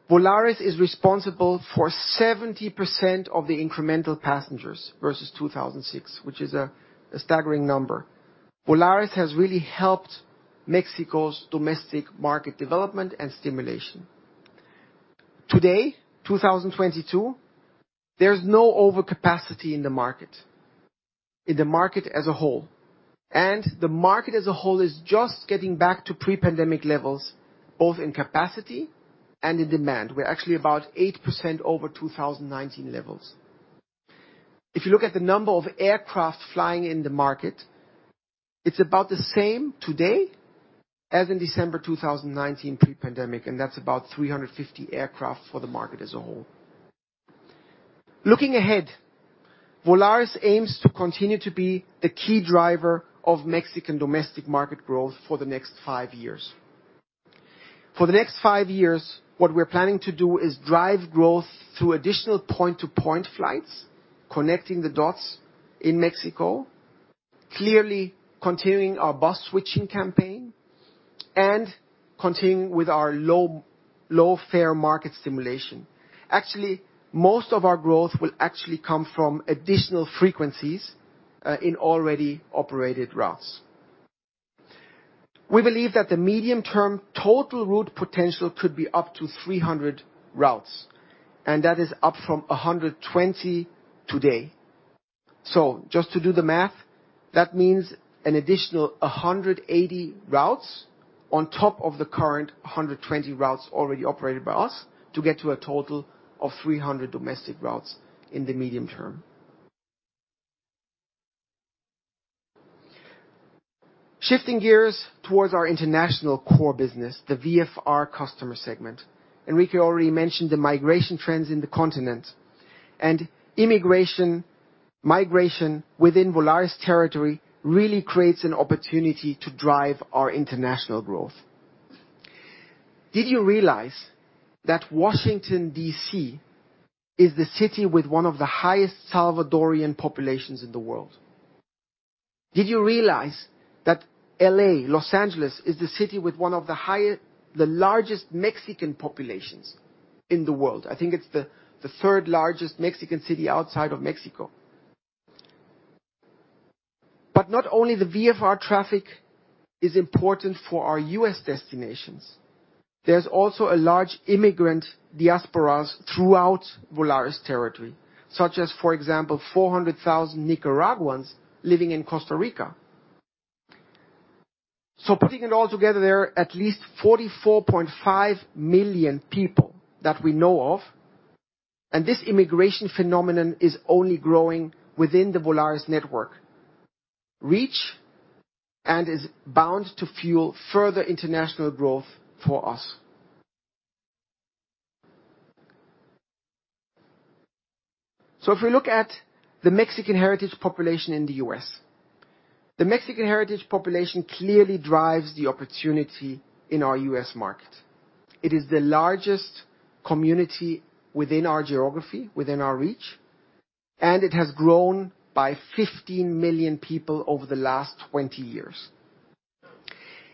Volaris is responsible for 70% of the incremental passengers versus 2006, which is a staggering number. Volaris has really helped Mexico's domestic market development and stimulation. Today, 2022, there's no overcapacity in the market as a whole. The market as a whole is just getting back to pre-pandemic levels, both in capacity and in demand. We're actually about 8% over 2019 levels. If you look at the number of aircraft flying in the market, it's about the same today as in December 2019 pre-pandemic, and that's about 350 aircraft for the market as a whole. Looking ahead, Volaris aims to continue to be the key driver of Mexican domestic market growth for the next five years. For the next five years, what we're planning to do is drive growth through additional point-to-point flights, connecting the dots in Mexico, clearly continuing our bus switching campaign and continuing with our low, low-fare market stimulation. Actually, most of our growth will actually come from additional frequencies in already operated routes. We believe that the medium-term total route potential could be up to 300 routes, and that is up from 120 today. Just to do the math, that means an additional 180 routes on top of the current 120 routes already operated by us to get to a total of 300 domestic routes in the medium term. Shifting gears towards our international core business, the VFR customer segment. Enrique already mentioned the migration trends in the continent. Immigration, migration within Volaris territory really creates an opportunity to drive our international growth. Did you realize that Washington, D.C., is the city with one of the highest Salvadorian populations in the world? Did you realize that L.A., Los Angeles, is the city with the largest Mexican populations in the world? I think it's the third largest Mexican city outside of Mexico. Not only the VFR traffic is important for our U.S. destinations. There's also a large immigrant diasporas throughout Volaris territory, such as, for example, 400,000 Nicaraguans living in Costa Rica. Putting it all together, there are at least 44.5 million people that we know of, and this immigration phenomenon is only growing within the Volaris network reach and is bound to fuel further international growth for us. If we look at the Mexican heritage population in the U.S. The Mexican heritage population clearly drives the opportunity in our U.S. market. It is the largest community within our geography, within our reach, and it has grown by 15 million people over the last 20 years.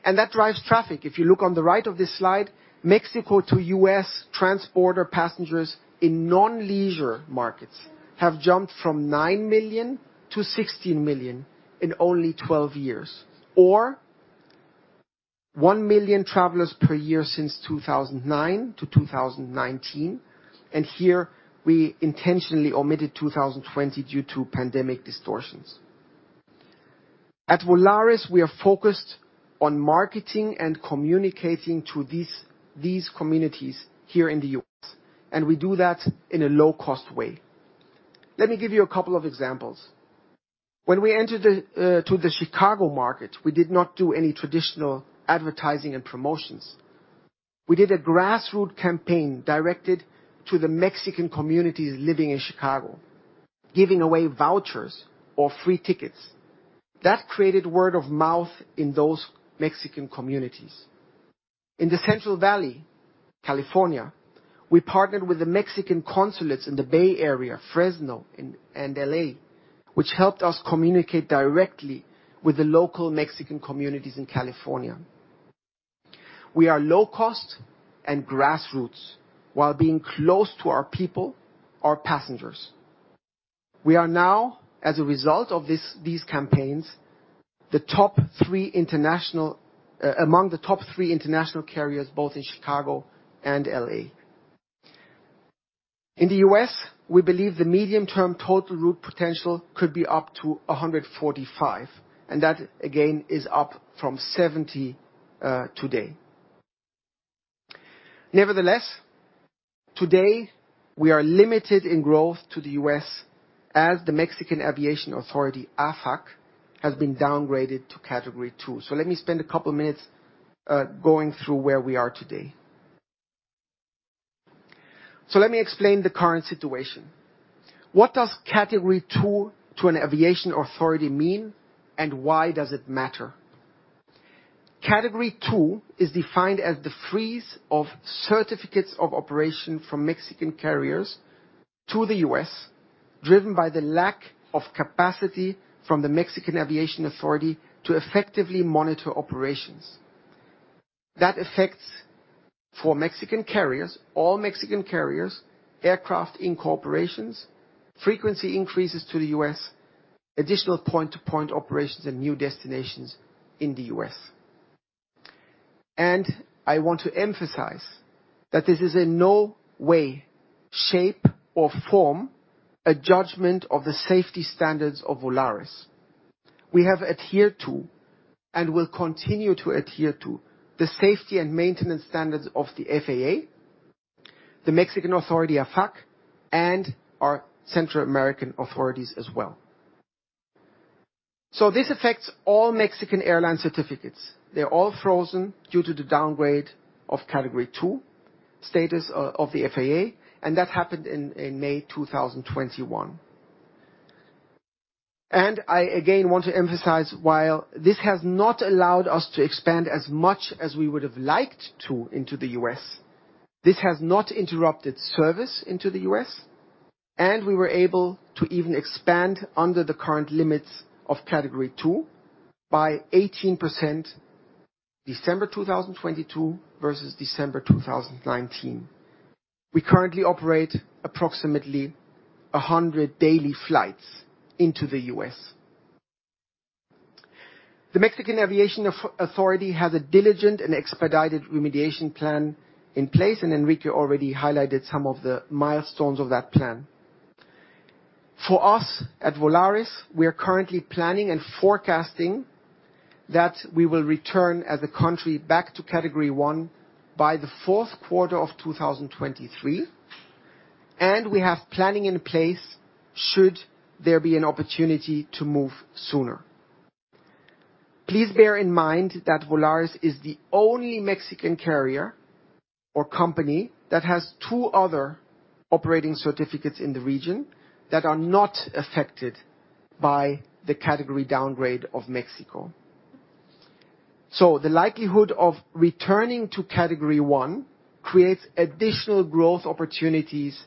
That drives traffic. If you look on the right of this slide, Mexico to U.S. transporter passengers in non-leisure markets have jumped from nine million to 16 million in only 12 years, or 1 million travelers per year since 2009 to 2019. Here we intentionally omitted 2020 due to pandemic distortions. At Volaris, we are focused on marketing and communicating to these communities here in the U.S., and we do that in a low-cost way. Let me give you a couple of examples. When we entered to the Chicago market, we did not do any traditional advertising and promotions. We did a grassroots campaign directed to the Mexican communities living in Chicago, giving away vouchers or free tickets. That created word of mouth in those Mexican communities. In the Central Valley, California, we partnered with the Mexican consulates in the Bay Area, Fresno, and L.A., which helped us communicate directly with the local Mexican communities in California. We are low cost and grassroots while being close to our people, our passengers. We are now, as a result of this, these campaigns, among the top three international carriers, both in Chicago and L.A. In the U.S., we believe the medium-term total route potential could be up to 145, and that again is up from 70 today. Today, we are limited in growth to the U.S. as the Mexican Aviation Authority, AFAC, has been downgraded to Category 2. Let me spend a couple minutes going through where we are today. Let me explain the current situation. What does Category 2 to an aviation authority mean? Why does it matter? Category 2 is defined as the freeze of certificates of operation from Mexican carriers to the U.S., driven by the lack of capacity from the Mexican Aviation Authority to effectively monitor operations. That affects, for Mexican carriers, all Mexican carriers, aircraft incorporations, frequency increases to the U.S., additional point-to-point operations, and new destinations in the U.S. I want to emphasize that this is in no way, shape, or form a judgment of the safety standards of Volaris. We have adhered to and will continue to adhere to the safety and maintenance standards of the FAA, the Mexican Authority, AFAC, and our Central American authorities as well. This affects all Mexican airline certificates. They're all frozen due to the downgrade of Category 2 status of the FAA, that happened in May 2021. I again want to emphasize, while this has not allowed us to expand as much as we would have liked to into the U.S., this has not interrupted service into the U.S., and we were able to even expand under the current limits of Category 2 by 18% December 2022 versus December 2019. We currently operate approximately 100 daily flights into the U.S. The Mexican Aviation Authority has a diligent and expedited remediation plan in place, and Enrique already highlighted some of the milestones of that plan. For us at Volaris, we are currently planning and forecasting that we will return as a country back to Category 1 by the fourth quarter of 2023. We have planning in place should there be an opportunity to move sooner. Please bear in mind that Volaris is the only Mexican carrier or company that has 2 other operating certificates in the region that are not affected by the category downgrade of Mexico. The likelihood of returning to Category 1 creates additional growth opportunities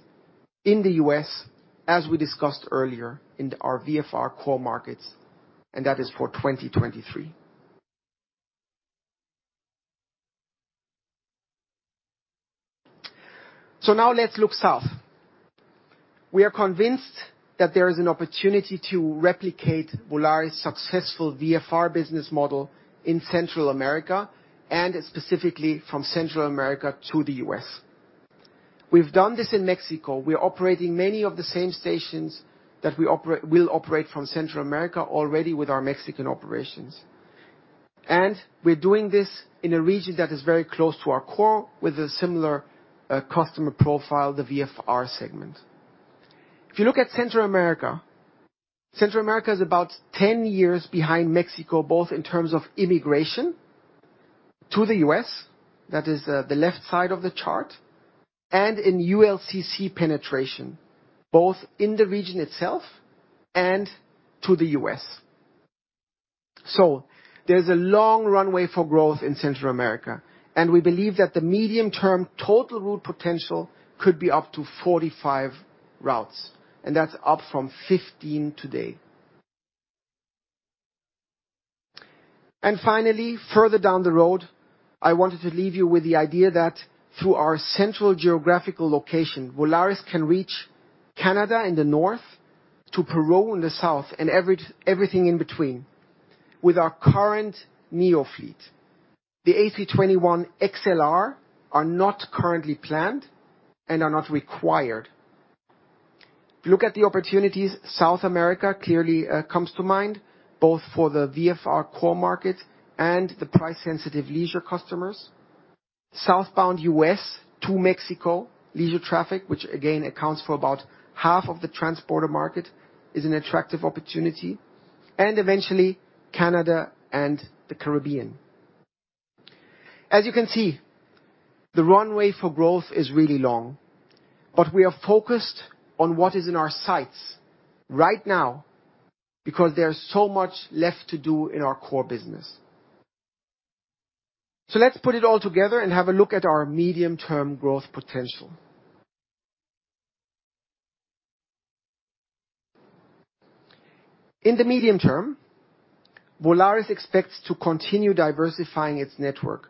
in the U.S., as we discussed earlier in our VFR core markets. That is for 2023. Now let's look south. We are convinced that there is an opportunity to replicate Volaris' successful VFR business model in Central America, specifically from Central America to the U.S. We've done this in Mexico. We are operating many of the same stations that we'll operate from Central America already with our Mexican operations. We're doing this in a region that is very close to our core with a similar customer profile, the VFR segment. If you look at Central America, Central America is about 10 years behind Mexico, both in terms of immigration to the U.S., that is the left side of the chart, and in ULCC penetration, both in the region itself and to the U.S. There's a long runway for growth in Central America, and we believe that the medium-term total route potential could be up to 45 routes, and that's up from 15 today. Finally, further down the road, I wanted to leave you with the idea that through our central geographical location, Volaris can reach Canada in the north to Peru in the south and everything in between with our current Neo fleet. The A321XLR are not currently planned and are not required. If you look at the opportunities, South America clearly comes to mind, both for the VFR core market and the price-sensitive leisure customers. Southbound U.S. to Mexico leisure traffic, which again accounts for about half of the transporter market, is an attractive opportunity. Eventually, Canada and the Caribbean. As you can see, the runway for growth is really long, but we are focused on what is in our sights right now because there's so much left to do in our core business. Let's put it all together and have a look at our medium-term growth potential. In the medium term, Volaris expects to continue diversifying its network,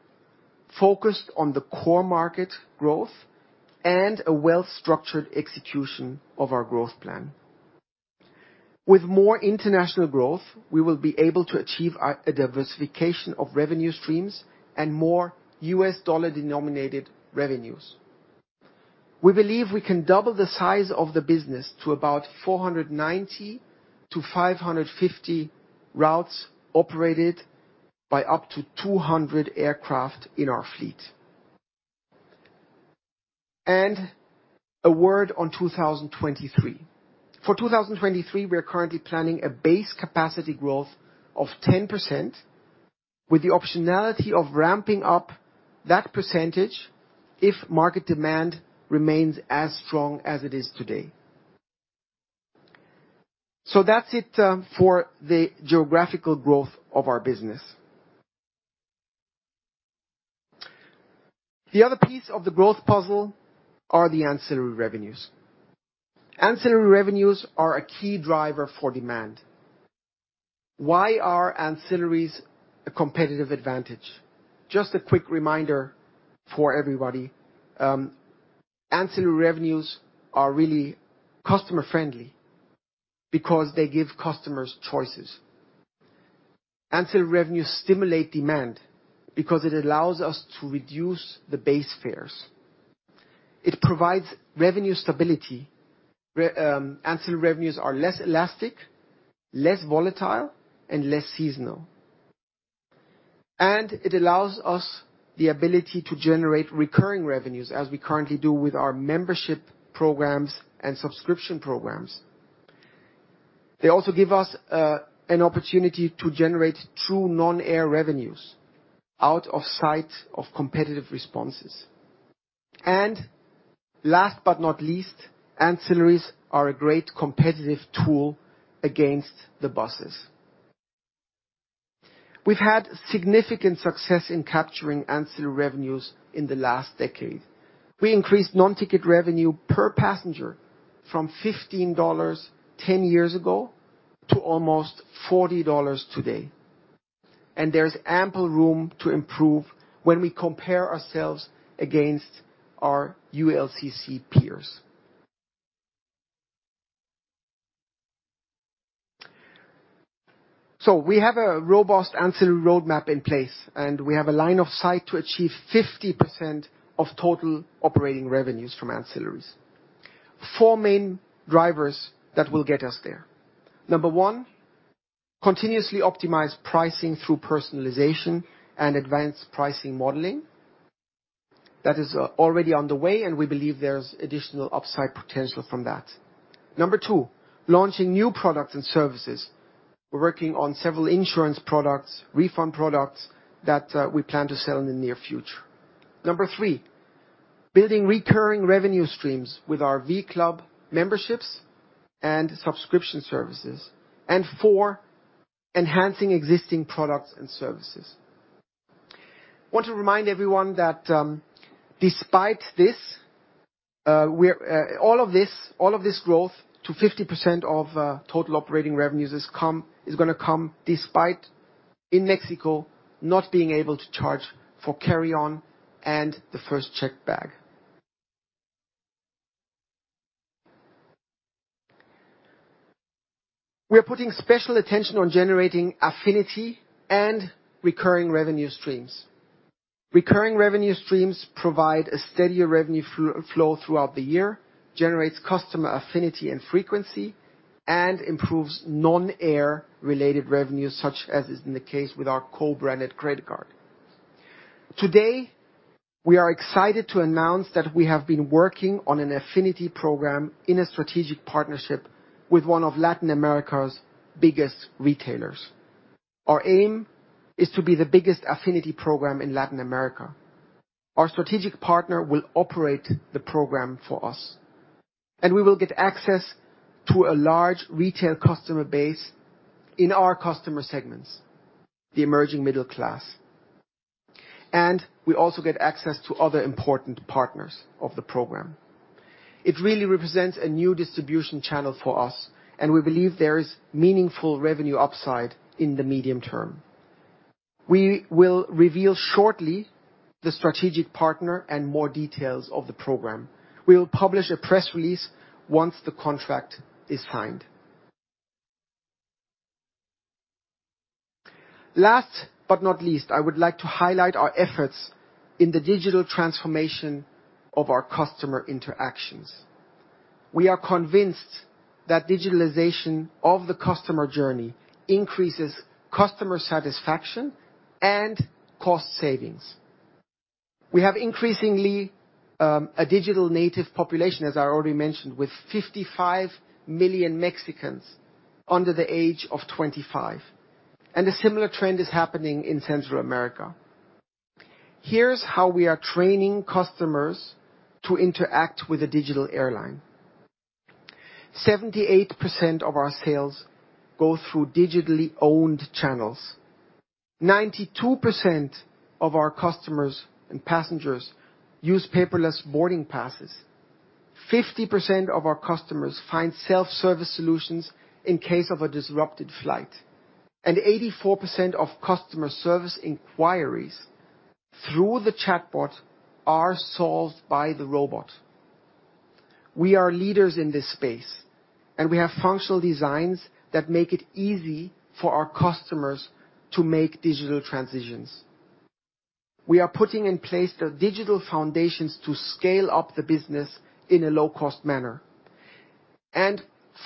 focused on the core market growth and a well-structured execution of our growth plan. With more international growth, we will be able to achieve a diversification of revenue streams and more U.S. dollar-denominated revenues. We believe we can double the size of the business to about 490-550 routes operated by up to 200 aircraft in our fleet. A word on 2023. For 2023, we are currently planning a base capacity growth of 10% with the optionality of ramping up that percentage if market demand remains as strong as it is today. That's it for the geographical growth of our business. The other piece of the growth puzzle are the ancillary revenues. Ancillary revenues are a key driver for demand. Why are ancillaries a competitive advantage? Just a quick reminder for everybody. Ancillary revenues are really customer-friendly because they give customers choices. Ancillary revenues stimulate demand because it allows us to reduce the base fares. It provides revenue stability, ancillary revenues are less elastic, less volatile, and less seasonal. It allows us the ability to generate recurring revenues as we currently do with our membership programs and subscription programs. They also give us an opportunity to generate true non-air revenues out of sight of competitive responses. Last but not least, ancillaries are a great competitive tool against the buses. We've had significant success in capturing ancillary revenues in the last decade. We increased non-ticket revenue per passenger from $15 10 years ago to almost $40 today. There's ample room to improve when we compare ourselves against our ULCC peers. We have a robust ancillary roadmap in place, and we have a line of sight to achieve 50% of total operating revenues from ancillaries. Four main drivers that will get us there. Number one, continuously optimize pricing through personalization and advanced pricing modeling. That is already on the way, and we believe there's additional upside potential from that. Number two, launching new products and services. We're working on several insurance products, refund products that we plan to sell in the near future. Number three, building recurring revenue streams with our v.club memberships and subscription services. Four, enhancing existing products and services. Want to remind everyone that, despite this, all of this growth to 50% of total operating revenues is gonna come despite in Mexico not being able to charge for carry on and the first checked bag. We are putting special attention on generating affinity and recurring revenue streams. Recurring revenue streams provide a steadier revenue flow throughout the year, generates customer affinity and frequency, and improves non-air related revenues, such as is in the case with our co-branded credit card. Today, we are excited to announce that we have been working on an affinity program in a strategic partnership with one of Latin America's biggest retailers. Our aim is to be the biggest affinity program in Latin America. Our strategic partner will operate the program for us, and we will get access to a large retail customer base in our customer segments, the emerging middle class. We also get access to other important partners of the program. It really represents a new distribution channel for us, and we believe there is meaningful revenue upside in the medium term. We will reveal shortly the strategic partner and more details of the program. We will publish a press release once the contract is signed. Last but not least, I would like to highlight our efforts in the digital transformation of our customer interactions. We are convinced that digitalization of the customer journey increases customer satisfaction and cost savings. We have increasingly a digital native population, as I already mentioned, with 55 million Mexicans under the age of 25, and a similar trend is happening in Central America. Here's how we are training customers to interact with a digital airline. 78% of our sales go through digitally owned channels. 92% of our customers and passengers use paperless boarding passes. 50% of our customers find self-service solutions in case of a disrupted flight, 84% of customer service inquiries through the chatbot are solved by the robot. We are leaders in this space, and we have functional designs that make it easy for our customers to make digital transitions. We are putting in place the digital foundations to scale up the business in a low-cost manner.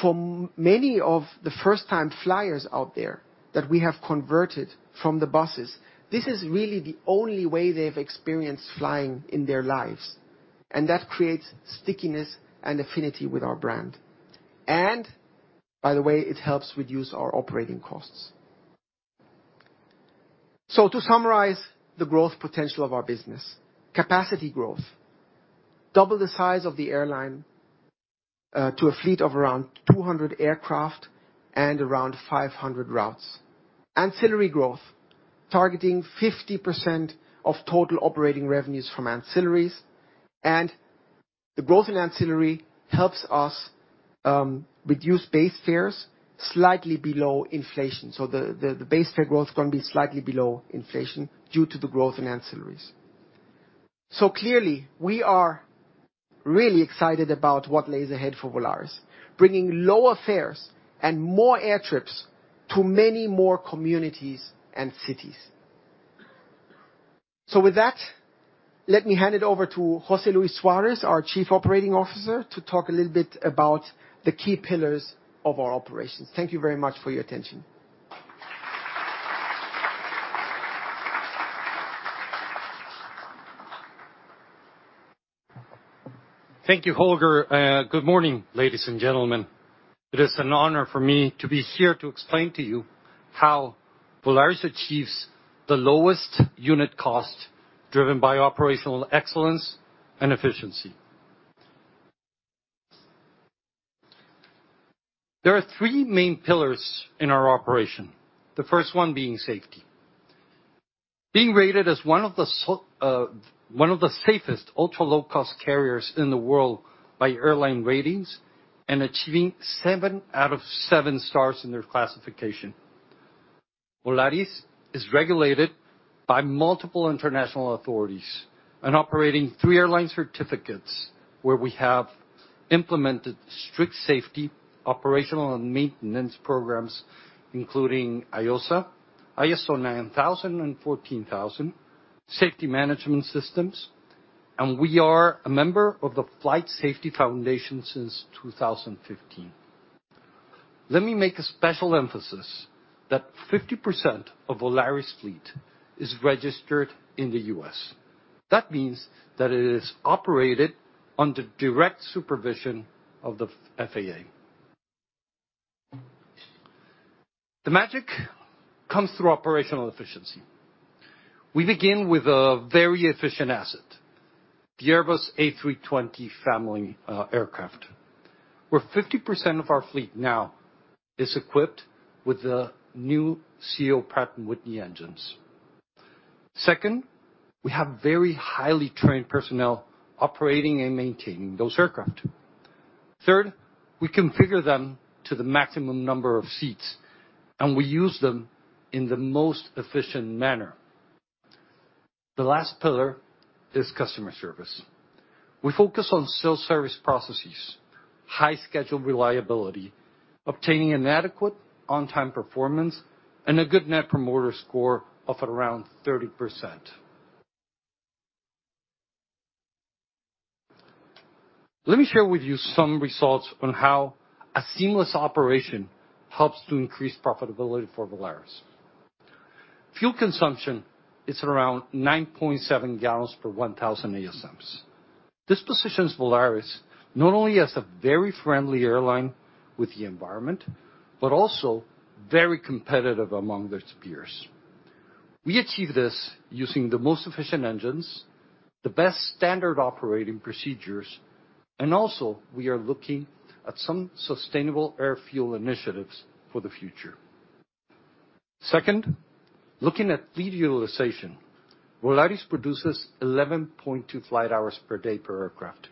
For many of the first-time flyers out there that we have converted from the buses, this is really the only way they've experienced flying in their lives, and that creates stickiness and affinity with our brand. By the way, it helps reduce our operating costs. To summarize the growth potential of our business. Capacity growth. Double the size of the airline to a fleet of around 200 aircraft and around 500 routes. Ancillary growth. Targeting 50% of total operating revenues from ancillaries. The growth in ancillary helps us reduce base fares slightly below inflation. The base fare growth is gonna be slightly below inflation due to the growth in ancillaries. Clearly, we are really excited about what lays ahead for Volaris, bringing lower fares and more air trips to many more communities and cities. With that, let me hand it over to José Luis Suárez, our Chief Operating Officer, to talk a little bit about the key pillars of our operations. Thank you very much for your attention. Thank you, Holger. Good morning, ladies and gentlemen. It is an honor for me to be here to explain to you how Volaris achieves the lowest unit cost driven by operational excellence and efficiency. There are three main pillars in our operation, the first one being safety. Being rated as one of the safest ultra-low-cost carriers in the world by AirlineRatings and achieving seven out of seven stars in their classification. Volaris is regulated by multiple international authorities and operating three airline certificates where we have implemented strict safety, operational, and maintenance programs, including IOSA, ISO 9000 and 14000, Safety Management Systems, and we are a member of the Flight Safety Foundation since 2015. Let me make a special emphasis that 50% of Volaris fleet is registered in the U.S. That means that it is operated under direct supervision of the FAA. The magic comes through operational efficiency. We begin with a very efficient asset, the Airbus A320 family aircraft, where 50% of our fleet now is equipped with the new ceo Pratt & Whitney engines. Second, we have very highly trained personnel operating and maintaining those aircraft. Third, we configure them to the maximum number of seats, and we use them in the most efficient manner. The last pillar is customer service. We focus on self-service processes, high schedule reliability, obtaining an adequate on-time performance, and a good Net Promoter Score of around 30%. Let me share with you some results on how a seamless operation helps to increase profitability for Volaris. Fuel consumption is around 9.7 gallons per 1,000 ASMs. This positions Volaris not only as a very friendly airline with the environment, but also very competitive among its peers. We achieve this using the most efficient engines, the best standard operating procedures, and also we are looking at some Sustainable Aviation Fuel initiatives for the future. Second, looking at fleet utilization, Volaris produces 11.2 flight hours per day per aircraft,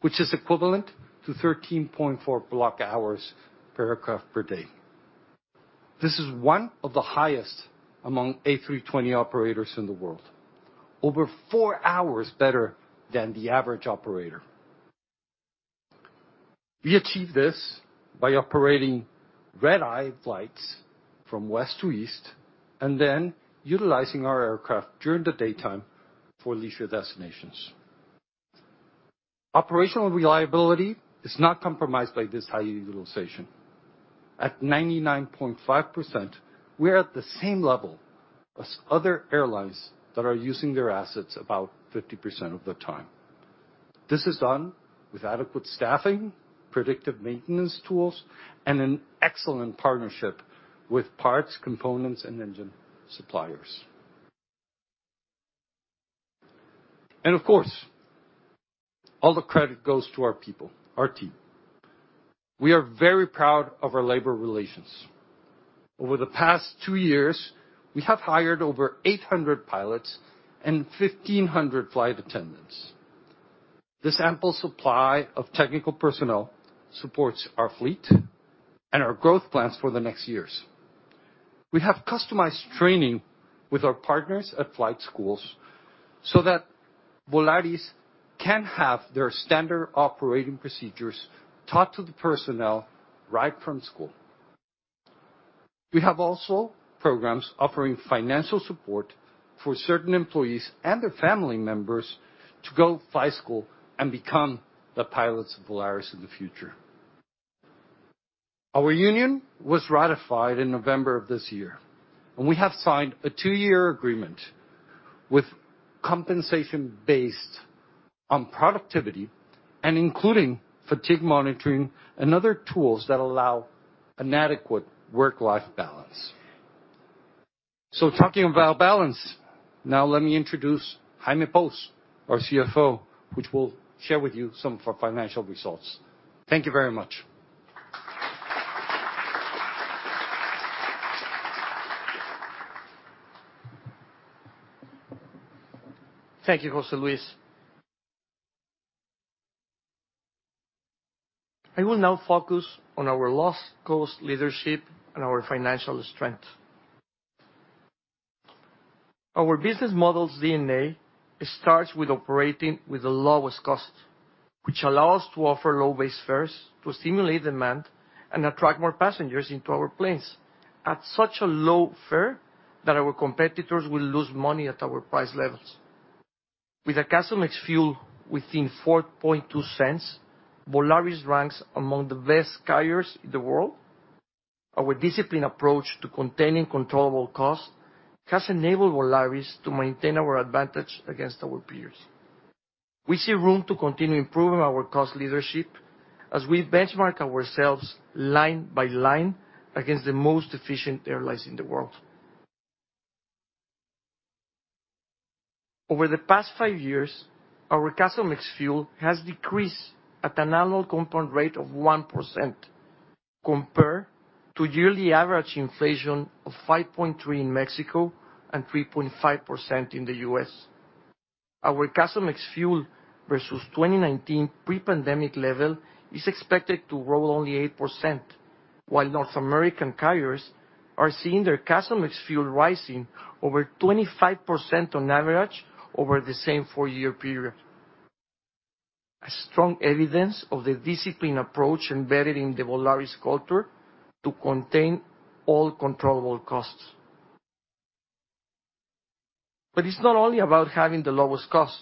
which is equivalent to 13.4 block hours per aircraft per day. This is one of the highest among A320 operators in the world. Over four hours better than the average operator. We achieve this by operating red-eye flights from west to east and then utilizing our aircraft during the daytime for leisure destinations. Operational reliability is not compromised by this high utilization. At 99.5%, we are at the same level as other airlines that are using their assets about 50% of the time. This is done with adequate staffing, predictive maintenance tools, and an excellent partnership with parts, components, and engine suppliers. Of course, all the credit goes to our people, our team. We are very proud of our labor relations. Over the past two years, we have hired over 800 pilots and 1,500 flight attendants. This ample supply of technical personnel supports our fleet and our growth plans for the next years. We have customized training with our partners at flight schools so that Volaris can have their standard operating procedures taught to the personnel right from school. We have also programs offering financial support for certain employees and their family members to go flight school and become the pilots of Volaris in the future. Our union was ratified in November of this year, we have signed a two-year agreement with compensation based on productivity and including fatigue monitoring and other tools that allow an adequate work-life balance. Talking about balance, now let me introduce Jaime Pous, our CFO, which will share with you some of our financial results. Thank you very much. Thank you, José Luis. I will now focus on our low-cost leadership and our financial strength. Our business model's DNA starts with operating with the lowest cost, which allow us to offer low base fares to stimulate demand and attract more passengers into our planes at such a low fare that our competitors will lose money at our price levels. With a CASM ex-fuel within $0.042, Volaris ranks among the best carriers in the world. Our disciplined approach to containing controllable costs has enabled Volaris to maintain our advantage against our peers. We see room to continue improving our cost leadership as we benchmark ourselves line by line against the most efficient airlines in the world. Over the past five years, our CASM ex-fuel has decreased at an annual compound rate of 1% compared to yearly average inflation of 5.3 in Mexico and 3.5% in the U.S. Our CASM ex-fuel versus 2019 pre-pandemic level is expected to grow only 8%, while North American carriers are seeing their CASM ex-fuel rising over 25% on average over the same four-year period. A strong evidence of the disciplined approach embedded in the Volaris culture to contain all controllable costs. It's not only about having the lowest cost,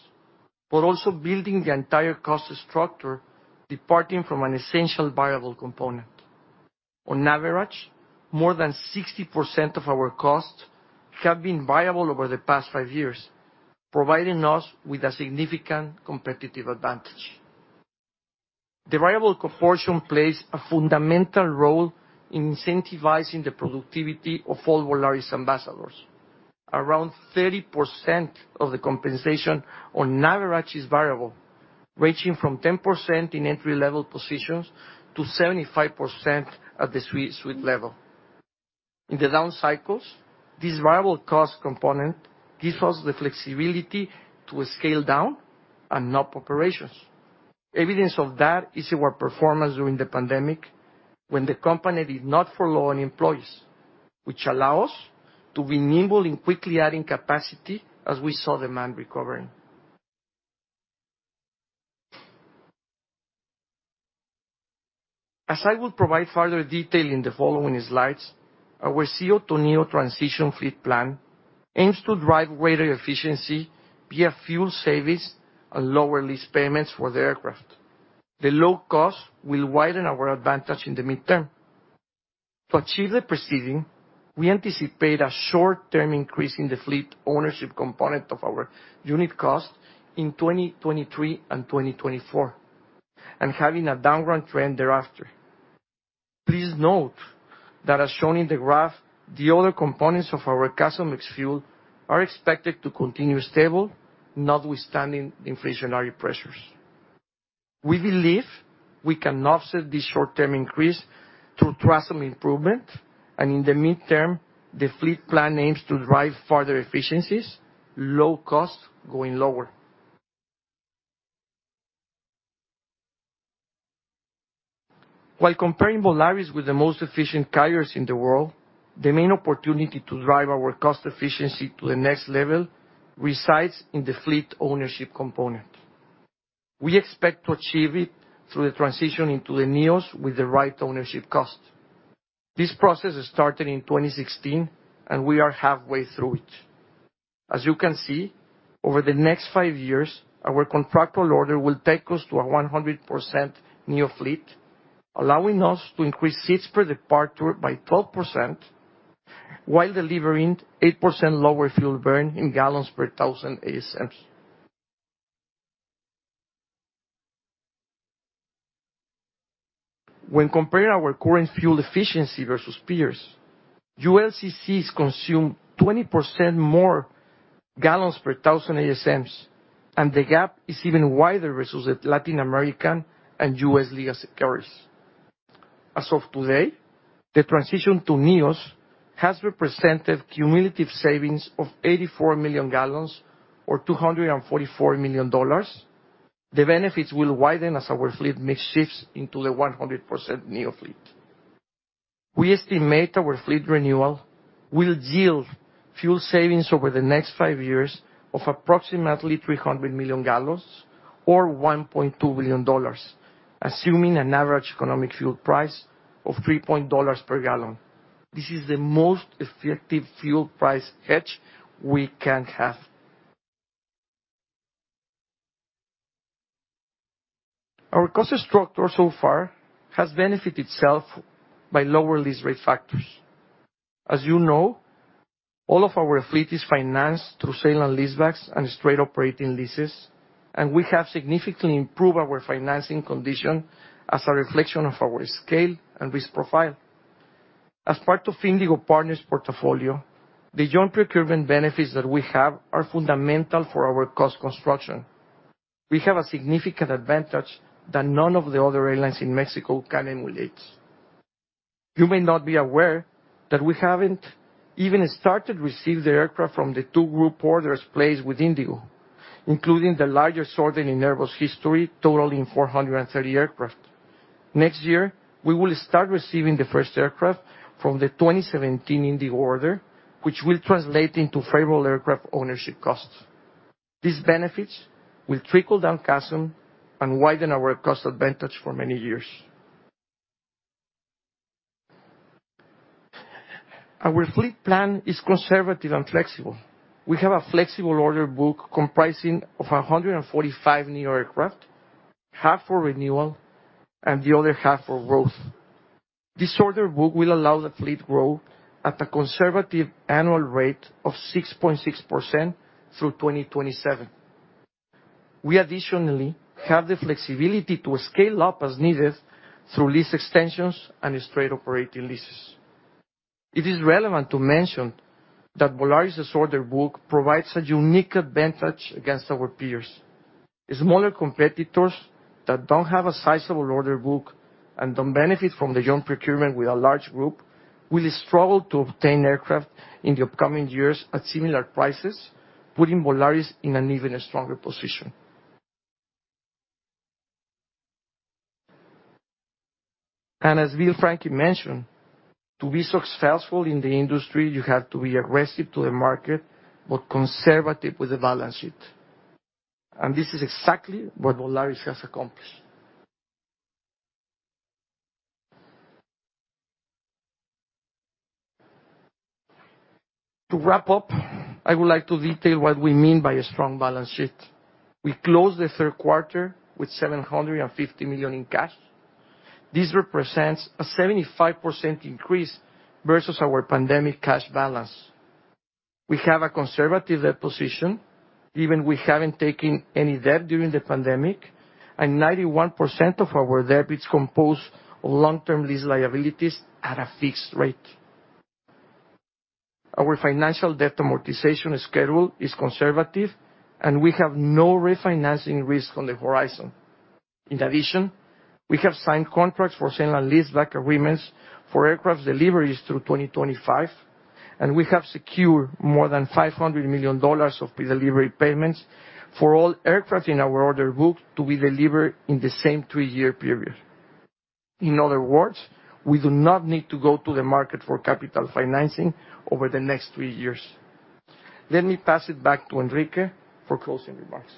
but also building the entire cost structure departing from an essential variable component. On average, more than 60% of our costs have been variable over the past five years, providing us with a significant competitive advantage. The variable proportion plays a fundamental role in incentivizing the productivity of all Volaris ambassadors. Around 30% of the compensation on average is variable, ranging from 10% in entry-level positions to 75% at the suite level. In the down cycles, this variable cost component gives us the flexibility to scale down and up operations. Evidence of that is our performance during the pandemic, when the company did not furlough any employees, which allow us to be nimble in quickly adding capacity as we saw demand recovering. As I will provide further detail in the following slides, our ceo to neo transition fleet plan aims to drive greater efficiency via fuel savings and lower lease payments for the aircraft. The low cost will widen our advantage in the midterm. To achieve the preceding, we anticipate a short-term increase in the fleet ownership component of our unit cost in 2023 and 2024, and having a downward trend thereafter. Please note that as shown in the graph, the other components of our CASM ex-fuel are expected to continue stable, notwithstanding inflationary pressures. We believe we can offset this short-term increase through travel improvement. In the midterm, the fleet plan aims to drive further efficiencies, low costs going lower. While comparing Volaris with the most efficient carriers in the world, the main opportunity to drive our cost efficiency to the next level resides in the fleet ownership component. We expect to achieve it through the transition into the NEOs with the right ownership cost. This process started in 2016. We are halfway through it. As you can see, over the next five years, our contractual order will take us to a 100% neo fleet, allowing us to increase seats per departure by 12% while delivering 8% lower fuel burn in gallons per thousand ASMs. When comparing our current fuel efficiency versus peers, ULCCs consume 20% more gallons per thousand ASMs, and the gap is even wider versus Latin American and U.S. legacy carriers. As of today, the transition to neos has represented cumulative savings of 84 million gallons or $244 million. The benefits will widen as our fleet mix shifts into the 100% neo fleet. We estimate our fleet renewal will yield fuel savings over the next 5 years of approximately 300 million gallons or $1.2 billion, assuming an average economic fuel price of $3.00 per gallon. This is the most effective fuel price hedge we can have. Our cost structure so far has benefited itself by lower lease rate factors. As you know, all of our fleet is financed through sale and leasebacks and straight operating leases. We have significantly improved our financing condition as a reflection of our scale and risk profile. As part of Indigo Partners portfolio, the joint procurement benefits that we have are fundamental for our cost construction. We have a significant advantage that none of the other airlines in Mexico can emulate. You may not be aware that we haven't even started receiving the aircraft from the two group orders placed with Indigo, including the largest order in Airbus history, totaling 430 aircraft. Next year, we will start receiving the first aircraft from the 2017 Indigo order, which will translate into favorable aircraft ownership costs. These benefits will trickle down CASM and widen our cost advantage for many years. Our fleet plan is conservative and flexible. We have a flexible order book comprising of 145 NEO aircraft, half for renewal and the other half for growth. This order book will allow the fleet grow at a conservative annual rate of 6.6% through 2027. We additionally have the flexibility to scale up as needed through lease extensions and straight operating leases. It is relevant to mention that Volaris' order book provides a unique advantage against our peers. The smaller competitors that don't have a sizable order book and don't benefit from the joint procurement with a large group will struggle to obtain aircraft in the upcoming years at similar prices, putting Volaris in an even stronger position. As Bill Franke mentioned, to be successful in the industry, you have to be aggressive to the market, but conservative with the balance sheet. This is exactly what Volaris has accomplished. To wrap up, I would like to detail what we mean by a strong balance sheet. We closed the third quarter with $750 million in cash. This represents a 75% increase versus our pandemic cash balance. We have a conservative debt position, even we haven't taken any debt during the pandemic, and 91% of our debt is composed of long-term lease liabilities at a fixed rate. Our financial debt amortization schedule is conservative, and we have no refinancing risk on the horizon. In addition, we have signed contracts for sale and leaseback agreements for aircraft deliveries through 2025, and we have secured more than $500 million of pre-delivery payments for all aircraft in our order book to be delivered in the same three-year period. In other words, we do not need to go to the market for capital financing over the next three years. Let me pass it back to Enrique for closing remarks.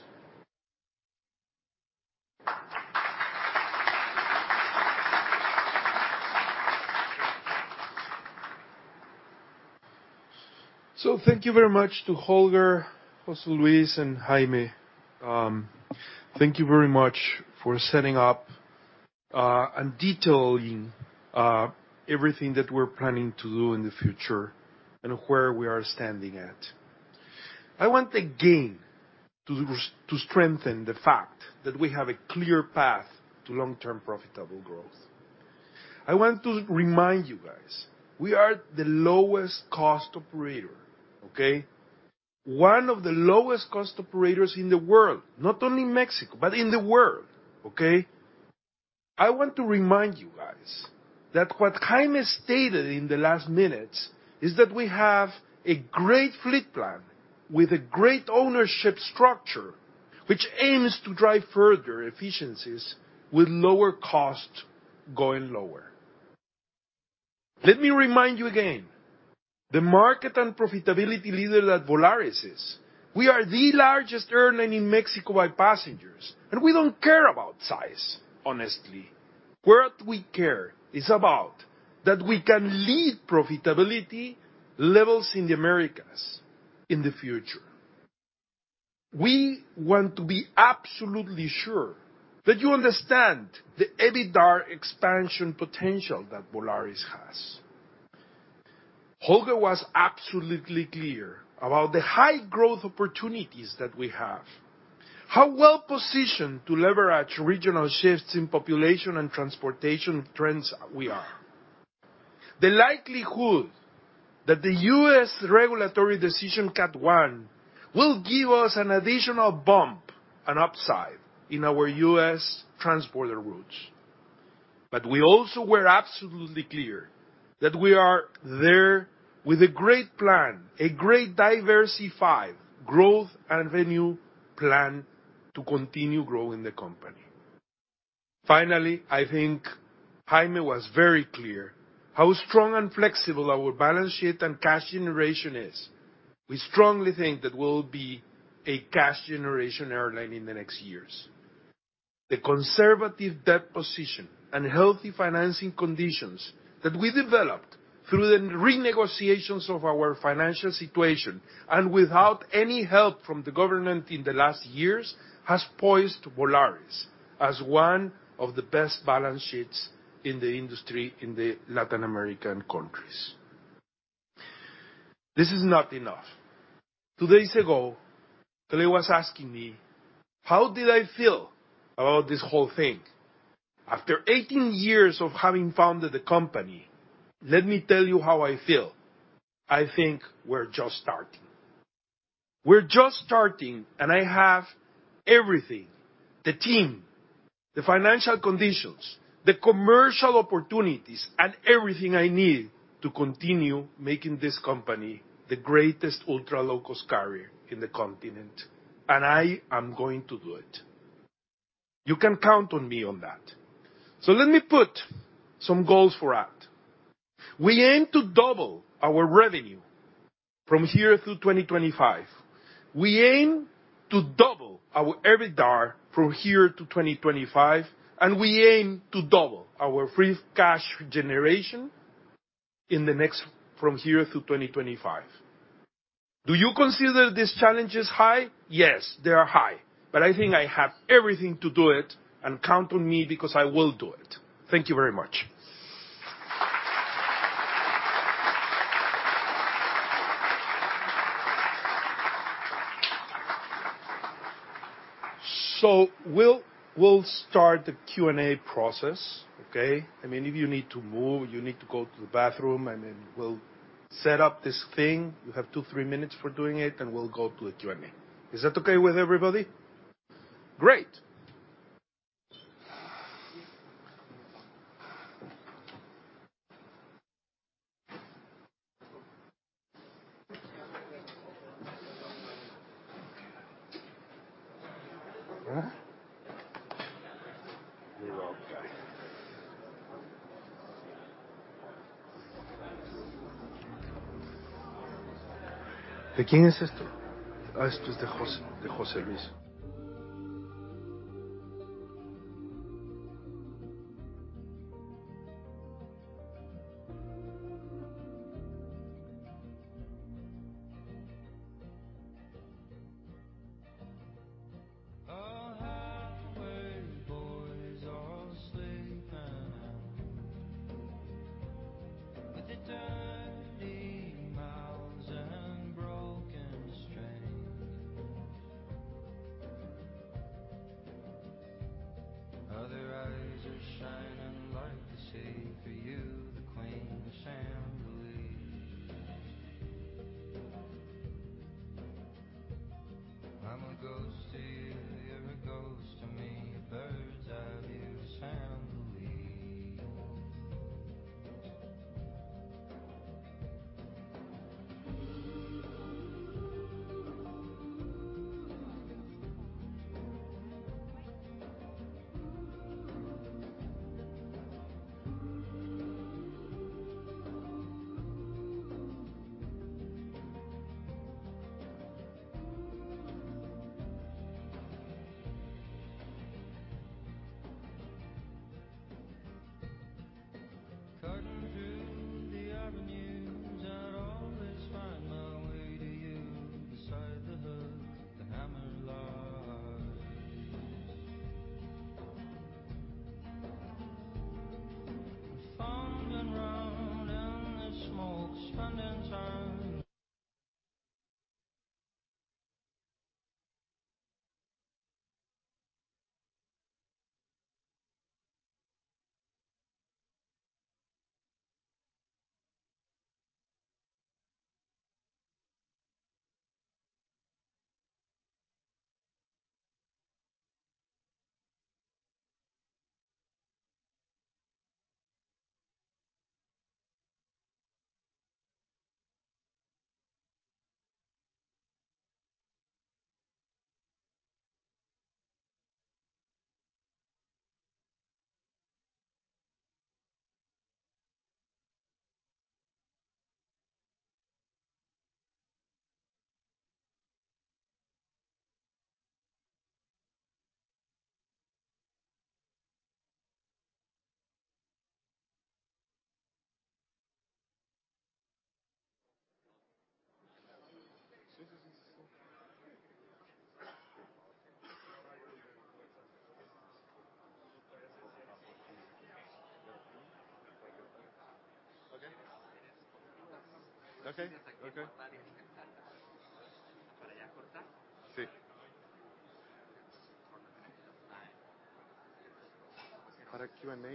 Thank you very much to Holger, José Luis, and Jaime. Thank you very much for setting up and detailing everything that we're planning to do in the future and where we are standing at. I want again to strengthen the fact that we have a clear path to long-term profitable growth. I want to remind you guys, we are the lowest cost operator, okay? One of the lowest cost operators in the world, not only Mexico, but in the world, okay? I want to remind you guys that what Jaime stated in the last minutes is that we have a great fleet plan with a great ownership structure, which aims to drive further efficiencies with lower cost going lower. Let me remind you again, the market and profitability leader that Volaris is. We are the largest airline in Mexico by passengers, we don't care about size, honestly. What we care is about that we can lead profitability levels in the Americas in the future. We want to be absolutely sure that you understand the EBITDA expansion potential that Volaris has. Holger was absolutely clear about the high growth opportunities that we have, how well-positioned to leverage regional shifts in population and transportation trends we are. The likelihood that the U.S. regulatory decision CAT one will give us an additional bump, an upside in our U.S. transborder routes. We also were absolutely clear that we are there with a great plan, a great diversified growth and revenue plan to continue growing the company. Finally, I think Jaime was very clear how strong and flexible our balance sheet and cash generation is. We strongly think that we'll be a cash generation airline in the next years. The conservative debt position and healthy financing conditions that we developed through the renegotiations of our financial situation and without any help from the government in the last years, has poised Volaris as one of the best balance sheets in the industry in the Latin American countries. This is not enough. Two days ago, Kelly was asking me, how did I feel about this whole thing? After 18 years of having founded the company, let me tell you how I feel. I think we're just starting. We're just starting. I have everything, the team, the financial conditions, the commercial opportunities, and everything I need to continue making this company the greatest ultra-low-cost carrier in the continent, and I am going to do it. You can count on me on that. Let me put some goals for that. We aim to double our revenue from here through 2025. We aim to double our EBITDA from here to 2025, and we aim to double our free cash generation in the next... from here through 2025. Do you consider these challenges high? Yes, they are high, but I think I have everything to do it and count on me because I will do it. Thank you very much. We'll start the Q&A process, okay? I mean, if you need to move, you need to go to the bathroom, and then we'll set up this thing. You have two, three minutes for doing it, and we'll go to a Q&A. Is that okay with everybody? Great. One, two, three.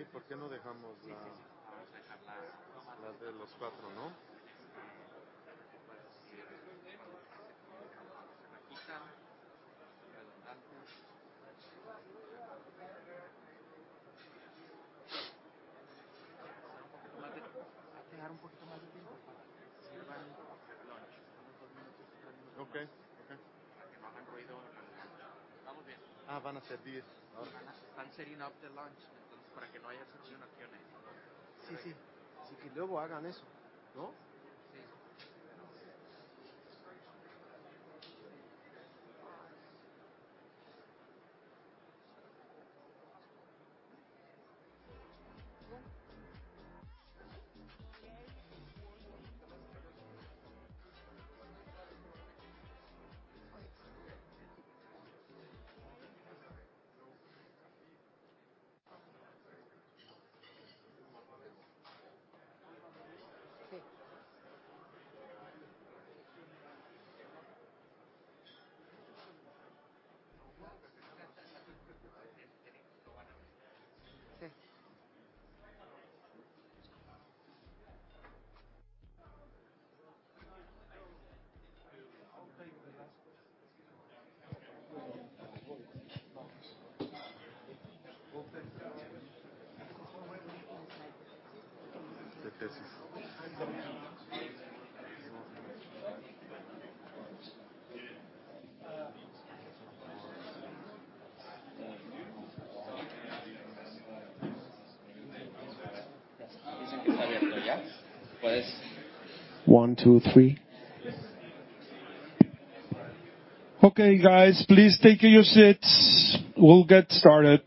Okay, guys, please take your seats. We'll get started.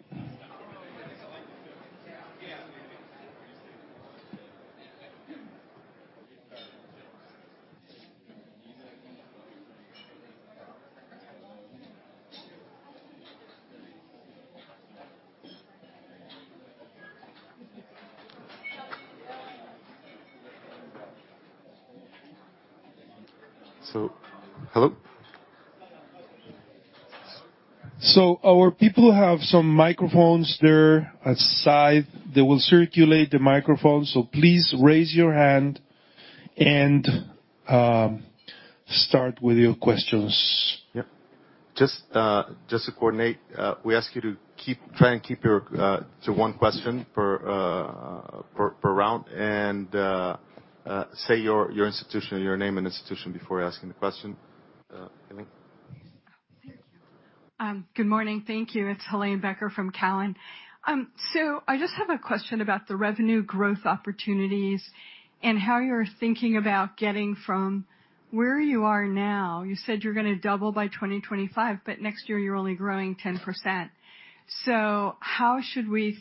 Hello? Our people have some microphones there at side. They will circulate the microphone, please raise your hand and start with your questions. Yep. Just to coordinate, we ask you to try and keep your to one question per round. Say your institution, your name and institution before asking the question. Helane. Thank you. Good morning. Thank you. It's Helane Becker from Cowen. I just have a question about the revenue growth opportunities and how you're thinking about getting from where you are now. You said you're gonna double by 2025, but next year you're only growing 10%. How should we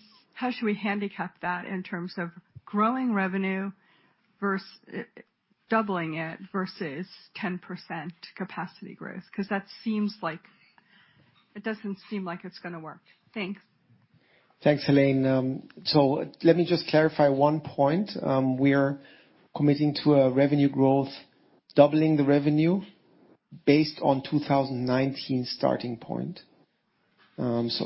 handicap that in terms of growing revenue doubling it versus 10% capacity growth? That seems like... It doesn't seem like it's gonna work. Thanks. Thanks, Helane. Let me just clarify one point. We're committing to a revenue growth, doubling the revenue based on 2019 starting point. That's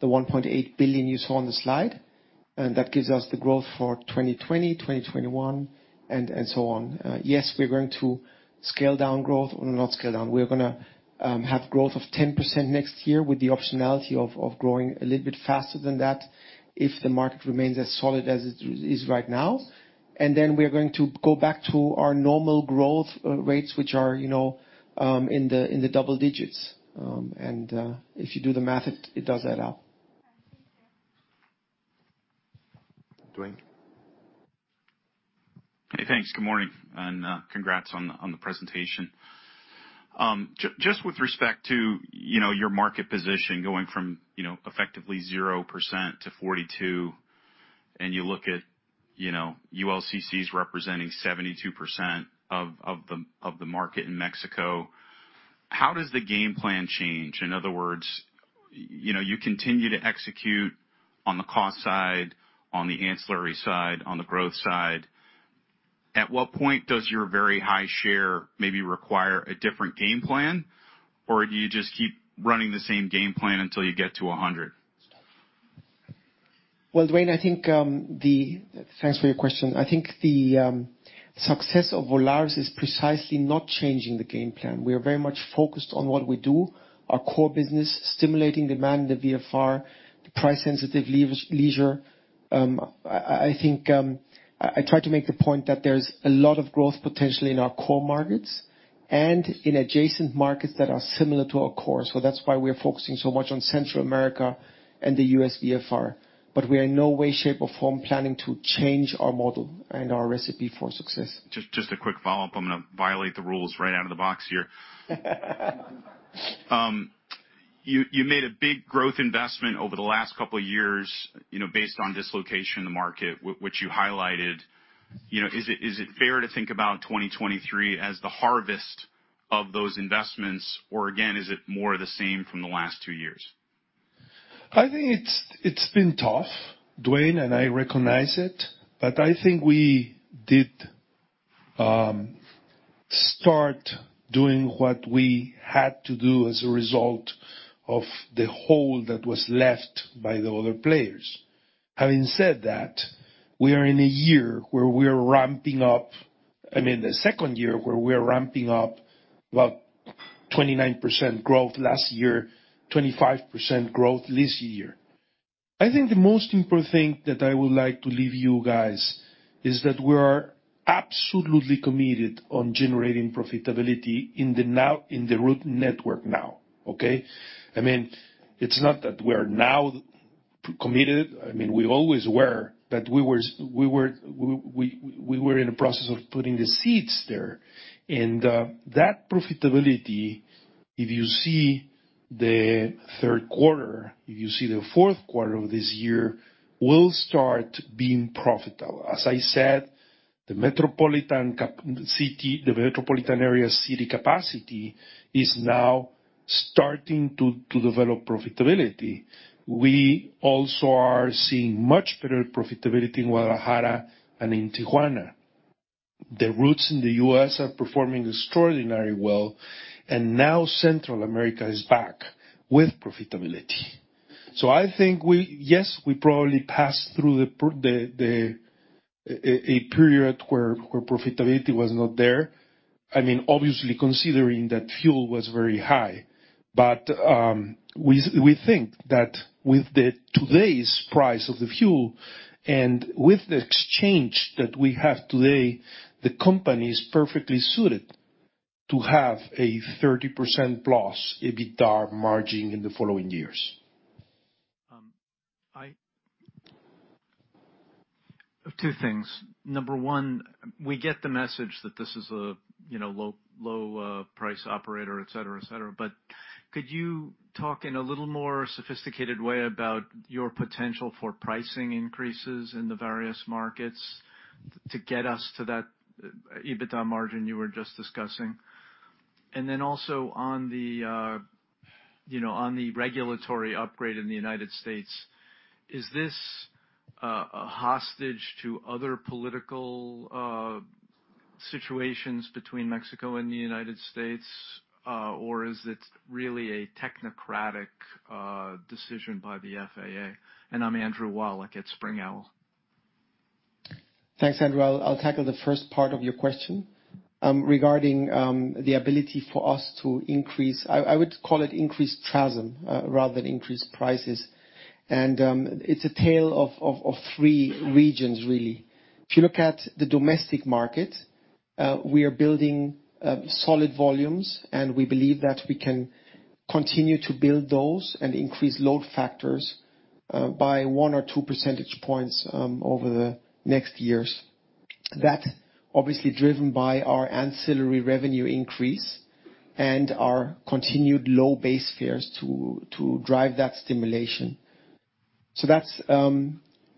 the $1.8 billion you saw on the slide, and that gives us the growth for 2020, 2021 and so on. Yes, we're going to scale down growth or not scale down. We're gonna have growth of 10% next year with the optionality of growing a little bit faster than that if the market remains as solid as it is right now. Then we are going to go back to our normal growth rates, which are, you know, in the double digits. If you do the math, it does add up. Duane? Hey, thanks. Good morning. Congrats on the presentation. Just with respect to, you know, your market position going from, you know, effectively 0% to 42, and you look at, you know, ULCCs representing 72% of the market in Mexico, how does the game plan change? In other words, you know, you continue to execute on the cost side, on the ancillary side, on the growth side. At what point does your very high share maybe require a different game plan, or do you just keep running the same game plan until you get to 100? Well, Duane, I think the. Thanks for your question. I think the success of Volaris is precisely not changing the game plan. We are very much focused on what we do, our core business, stimulating demand in the VFR, the price-sensitive leisure. I think I try to make the point that there's a lot of growth potential in our core markets and in adjacent markets that are similar to our core, so that's why we are focusing so much on Central America and the US VFR. We are in no way, shape, or form planning to change our model and our recipe for success. Just a quick follow-up. I'm gonna violate the rules right out of the box here. You made a big growth investment over the last couple years, you know, based on dislocation in the market, which you highlighted. You know, is it fair to think about 2023 as the harvest of those investments, or again, is it more of the same from the last two years? I think it's been tough, Duane, and I recognize it. I think we did start doing what we had to do as a result of the hole that was left by the other players. Having said that, we are in a year where we are ramping up, I mean, the second year where we are ramping up about 29% growth last year, 25% growth this year. I think the most important thing that I would like to leave you guys is that we are absolutely committed on generating profitability in the now, in the route network now, okay? I mean, it's not that we are now committed. I mean, we always were, but we were in the process of putting the seeds there. That profitability, if you see the third quarter, if you see the fourth quarter of this year, will start being profitable. As I said, the metropolitan area city capacity is now starting to develop profitability. We also are seeing much better profitability in Guadalajara and in Tijuana. The routes in the U.S. are performing extraordinarily well, and now Central America is back with profitability. I think we, yes, we probably passed through a period where profitability was not there, I mean, obviously considering that fuel was very high. We think that with the today's price of the fuel and with the exchange that we have today, the company is perfectly suited to have a 30%+ EBITDA margin in the following years. Two things. Number one, we get the message that this is a, you know, low price operator, et cetera, et cetera. Could you talk in a little more sophisticated way about your potential for pricing increases in the various markets to get us to that EBITDA margin you were just discussing? Also on the, you know, on the regulatory upgrade in the United States, is this a hostage to other political situations between Mexico and the United States, or is it really a technocratic decision by the FAA? I'm Andrew Wallach at SpringOwl. Thanks, Andrew Wallach. I'll tackle the first part of your question. Regarding the ability for us to increase, I would call it increase TRASM, rather than increase prices. It's a tale of three regions really. If you look at the domestic market, we are building solid volumes, and we believe that we can continue to build those and increase load factors by 1 or 2 percentage points over the next years. That obviously driven by our ancillary revenue increase and our continued low base fares to drive that stimulation. That's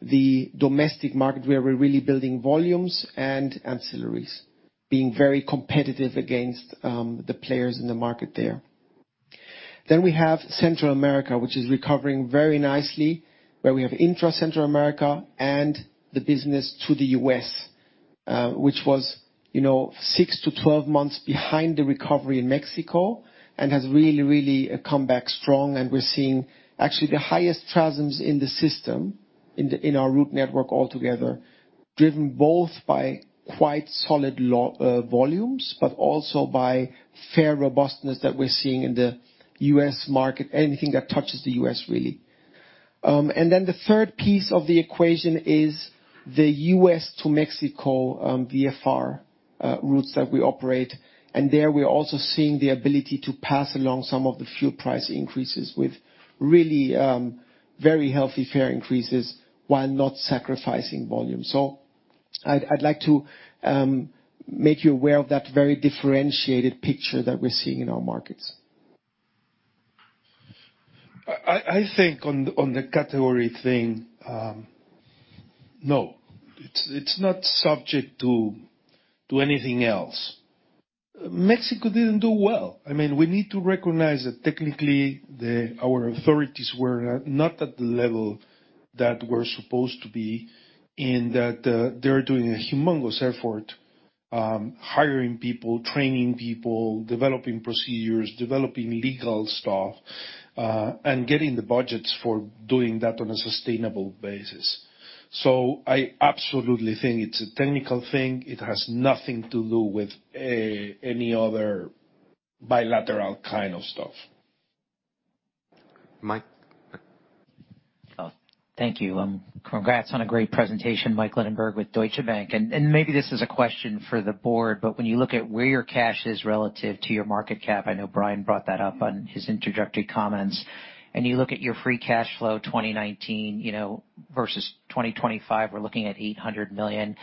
the domestic market, where we're really building volumes and ancillaries, being very competitive against the players in the market there. We have Central America, which is recovering very nicely, where we have intra-CAM and the business to the U.S., which was, you know, six to 12 months behind the recovery in Mexico and has really come back strong. We're seeing actually the highest TRASMs in the system, in our route network altogether, driven both by quite solid volumes, but also by fare robustness that we're seeing in the U.S. market, anything that touches the U.S., really. The third piece of the equation is the U.S. to Mexico VFR. Routes that we operate. There, we're also seeing the ability to pass along some of the fuel price increases with really, very healthy fare increases while not sacrificing volume. I'd like to make you aware of that very differentiated picture that we're seeing in our markets. I think on the category thing, no. It's not subject to anything else. Mexico didn't do well. I mean, we need to recognize that technically our authorities were not at the level that we're supposed to be in that, they're doing a humongous effort, hiring people, training people, developing procedures, developing legal stuff, and getting the budgets for doing that on a sustainable basis. I absolutely think it's a technical thing. It has nothing to do with any other bilateral kind of stuff. Mike. Thank you. Congrats on a great presentation. Michael Linenberg with Deutsche Bank. Maybe this is a question for the board, but when you look at where your cash is relative to your market cap, I know Brian brought that up on his introductory comments, and you look at your free cash flow 2019, you know, versus 2025, we're looking at $800 million.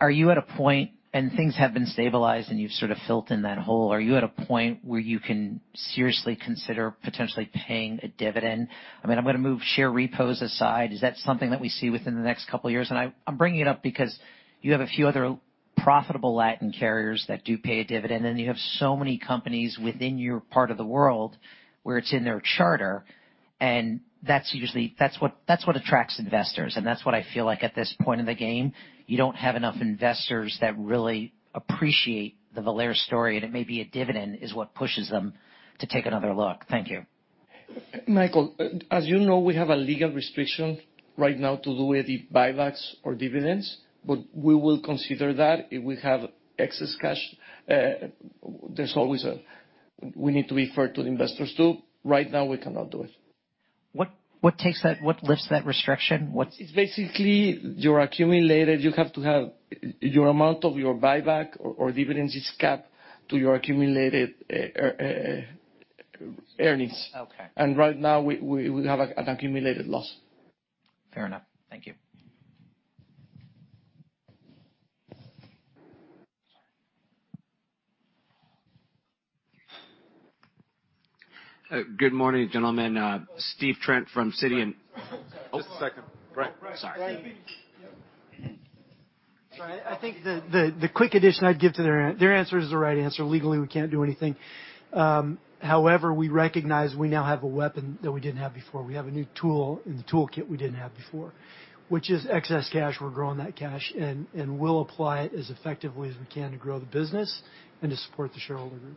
Are you at a point... Things have been stabilized, and you've sort of filled in that hole. Are you at a point where you can seriously consider potentially paying a dividend? I mean, I'm gonna move share repos aside. Is that something that we see within the next couple of years? I'm bringing it up because you have a few other profitable Latin carriers that do pay a dividend, and you have so many companies within your part of the world where it's in their charter, and that's usually what attracts investors. That's what I feel like at this point in the game, you don't have enough investors that really appreciate the Volaris story, and it may be a dividend is what pushes them to take another look. Thank you. Michael, as you know, we have a legal restriction right now to do any buybacks or dividends. We will consider that. If we have excess cash, we need to refer to the investors, too. Right now, we cannot do it. What lifts that restriction? Your amount of your buyback or dividends is capped to your accumulated earnings. Okay. Right now, we have an accumulated loss. Fair enough. Thank you. Good morning, gentlemen. Stephen Trent from Citi. Just a second. uncertain. Sorry. I think the quick addition I'd give to Their answer is the right answer. Legally, we can't do anything. However, we recognize we now have a weapon that we didn't have before. We have a new tool in the toolkit we didn't have before, which is excess cash. We're growing that cash, and we'll apply it as effectively as we can to grow the business and to support the shareholder group.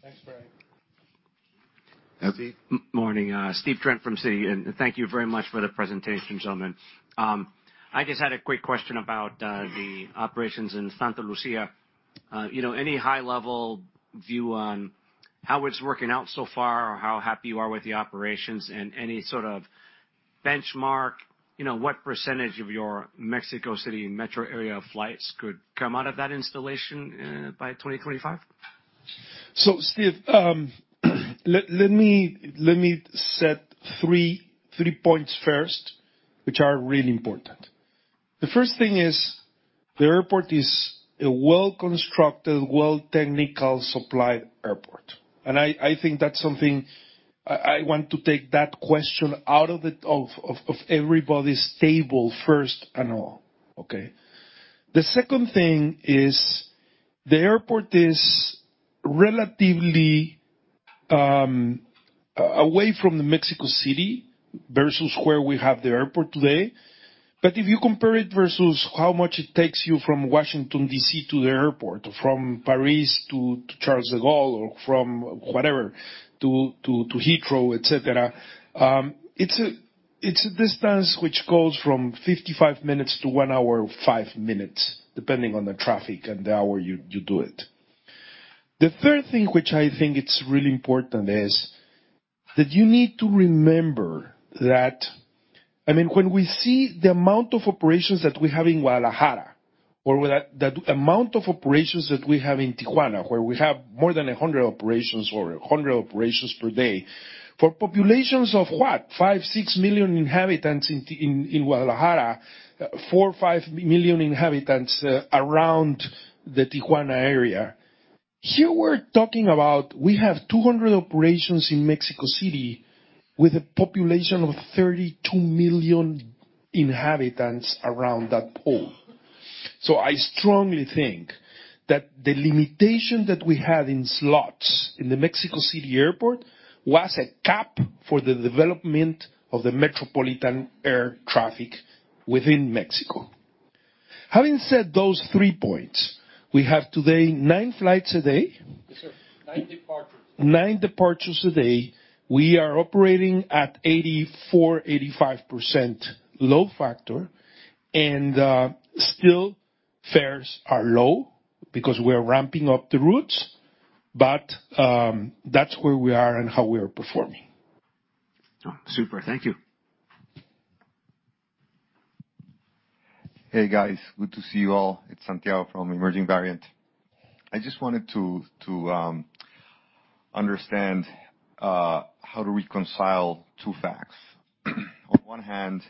Thanks, Brian. Morning. Stephen Trent from Citi, thank you very much for the presentation, gentlemen. I just had a quick question about the operations in Santa Lucía. You know, any high-level view on how it's working out so far, or how happy you are with the operations and any sort of benchmark, you know, what percentage of your Mexico City metro area flights could come out of that installation by 2025? Steve, let me see three points first, which are really important. The first thing is the airport is a well-constructed, well technical supplied airport. I think that's something. I want to take that question out of everybody's table first and all. Okay. The second thing is the airport is relatively away from Mexico City versus where we have the airport today. If you compare it versus how much it takes you from Washington, D.C., to the airport, from Paris to Charles de Gaulle or from whatever to Heathrow, et cetera, it's a distance which goes from 55 minutes to 1 hour and 5 minutes, depending on the traffic and the hour you do it. The third thing, which I think it's really important, is that you need to remember that, I mean, when we see the amount of operations that we have in Guadalajara or that amount of operations that we have in Tijuana, where we have more than 100 operations or 100 operations per day, for populations of what? Five, six million inhabitants in Guadalajara, 4, 5 million inhabitants around the Tijuana area. Here we're talking about we have 200 operations in Mexico City with a population of 32 million inhabitants around that pole. I strongly think that the limitation that we had in slots in the Mexico City airport was a cap for the development of the metropolitan air traffic within Mexico. Having said those three points, we have today nine flights a day. Yes, sir. nine departures. 9 departures a day. We are operating at 84%, 85% load factor, still fares are low because we are ramping up the routes. That's where we are and how we are performing. Oh, super. Thank you. Hey, guys. Good to see you all. It's Santiago from Emerging Variant. I just wanted to understand how to reconcile two facts. One hand,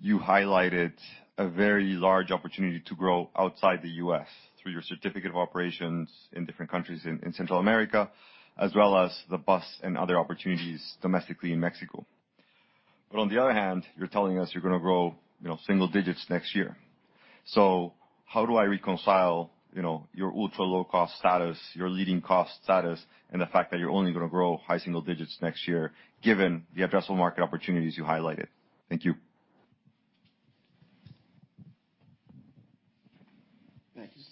you highlighted a very large opportunity to grow outside the US through your certificate of operations in different countries in Central America, as well as the bus and other opportunities domestically in Mexico. On the other hand, you're telling us you're gonna grow, you know, single digits next year. How do I reconcile, you know, your ultra-low-cost status, your leading cost status, and the fact that you're only gonna grow high single digits next year given the addressable market opportunities you highlighted? Thank you. Thank you,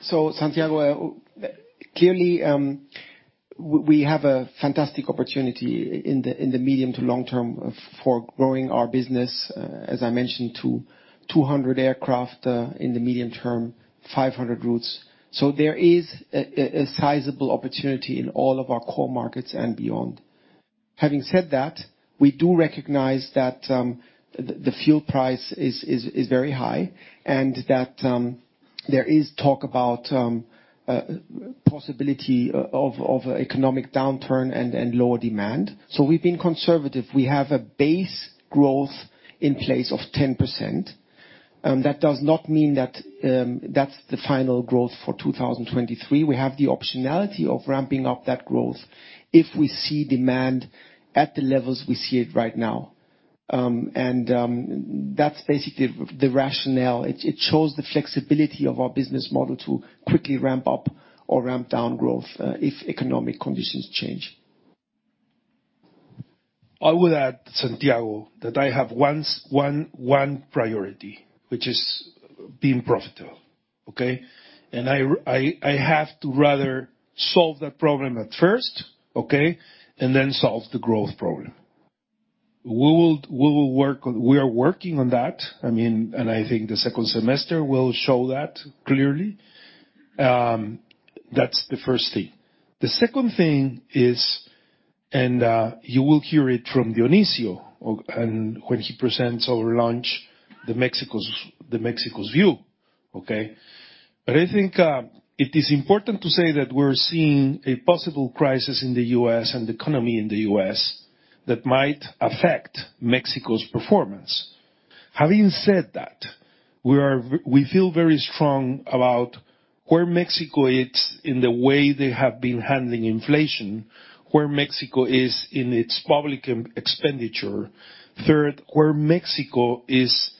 sir. Santiago, clearly, we have a fantastic opportunity in the medium to long term for growing our business, as I mentioned, to 200 aircraft, in the medium term, 500 routes. There is a sizable opportunity in all of our core markets and beyond. Having said that, we do recognize that the fuel price is very high, and that there is talk about possibility of economic downturn and lower demand. We've been conservative. We have a base growth in place of 10%. That does not mean that that's the final growth for 2023. We have the optionality of ramping up that growth if we see demand at the levels we see it right now. That's basically the rationale. It shows the flexibility of our business model to quickly ramp up or ramp down growth, if economic conditions change. I would add, Santiago, that I have one priority, which is being profitable, okay? I have to rather solve that problem at first, okay? Then solve the growth problem. We are working on that. I mean, and I think the second semester will show that clearly. That's the first thing. The second thing is, and you will hear it from Dionisio when he presents our launch, the Mexico's view, okay? I think it is important to say that we're seeing a possible crisis in the U.S. and the economy in the U.S. that might affect Mexico's performance. Having said that, we feel very strong about where Mexico is in the way they have been handling inflation, where Mexico is in its public expenditure. Third, where Mexico is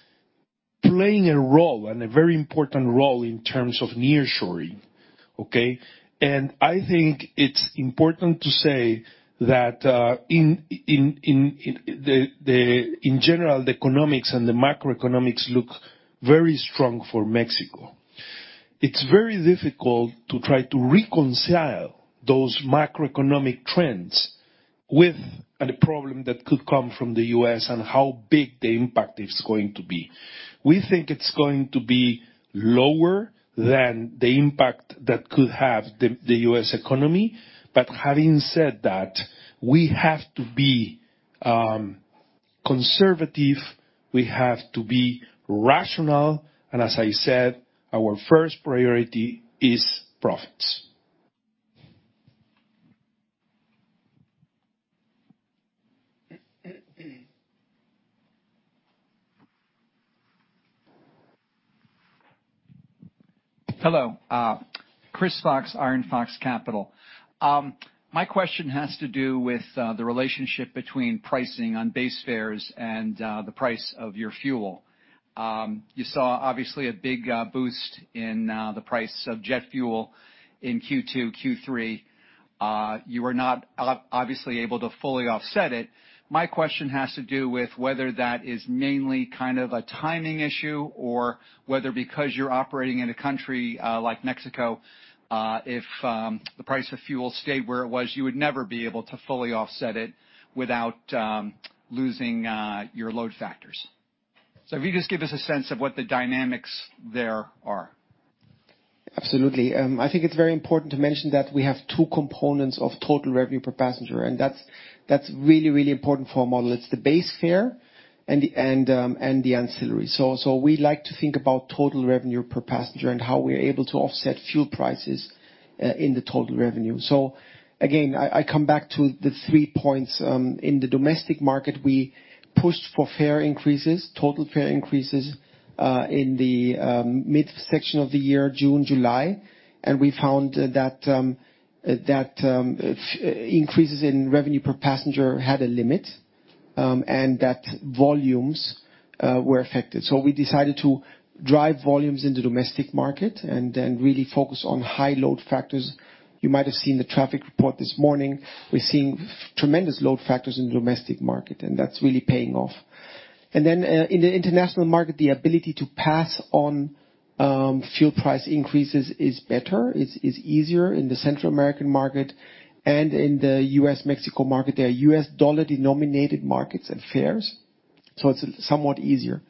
playing a role, and a very important role in terms of nearshoring, okay? I think it's important to say that in general, the economics and the macroeconomics look very strong for Mexico. It's very difficult to try to reconcile those macroeconomic trends with a problem that could come from the U.S. and how big the impact is going to be. We think it's going to be lower than the impact that could have the U.S. economy. Having said that, we have to be conservative, we have to be rational, and as I said, our first priority is profits. Hello, Chris Fox, Iron Fox Capital. My question has to do with the relationship between pricing on base fares and the price of your fuel. You saw obviously a big boost in the price of jet fuel in Q2, Q3. You were not obviously able to fully offset it. My question has to do with whether that is mainly kind of a timing issue or whether because you're operating in a country like Mexico, if the price of fuel stayed where it was, you would never be able to fully offset it without losing your load factors. If you could just give us a sense of what the dynamics there are. Absolutely. I think it's very important to mention that we have two components of total revenue per passenger, and that's really, really important for our model. It's the base fare and the ancillary. We like to think about total revenue per passenger and how we are able to offset fuel prices in the total revenue. Again, I come back to the three points. In the domestic market, we pushed for fare increases, total fare increases in the midsection of the year, June, July. We found that increases in revenue per passenger had a limit, and that volumes were affected. We decided to drive volumes in the domestic market and then really focus on high load factors. You might have seen the traffic report this morning. We're seeing tremendous load factors in the domestic market, that's really paying off. In the international market, the ability to pass on fuel price increases is easier in the Central American market and in the US-Mexico market. They are U.S. dollar-denominated markets and fares, it's somewhat easier.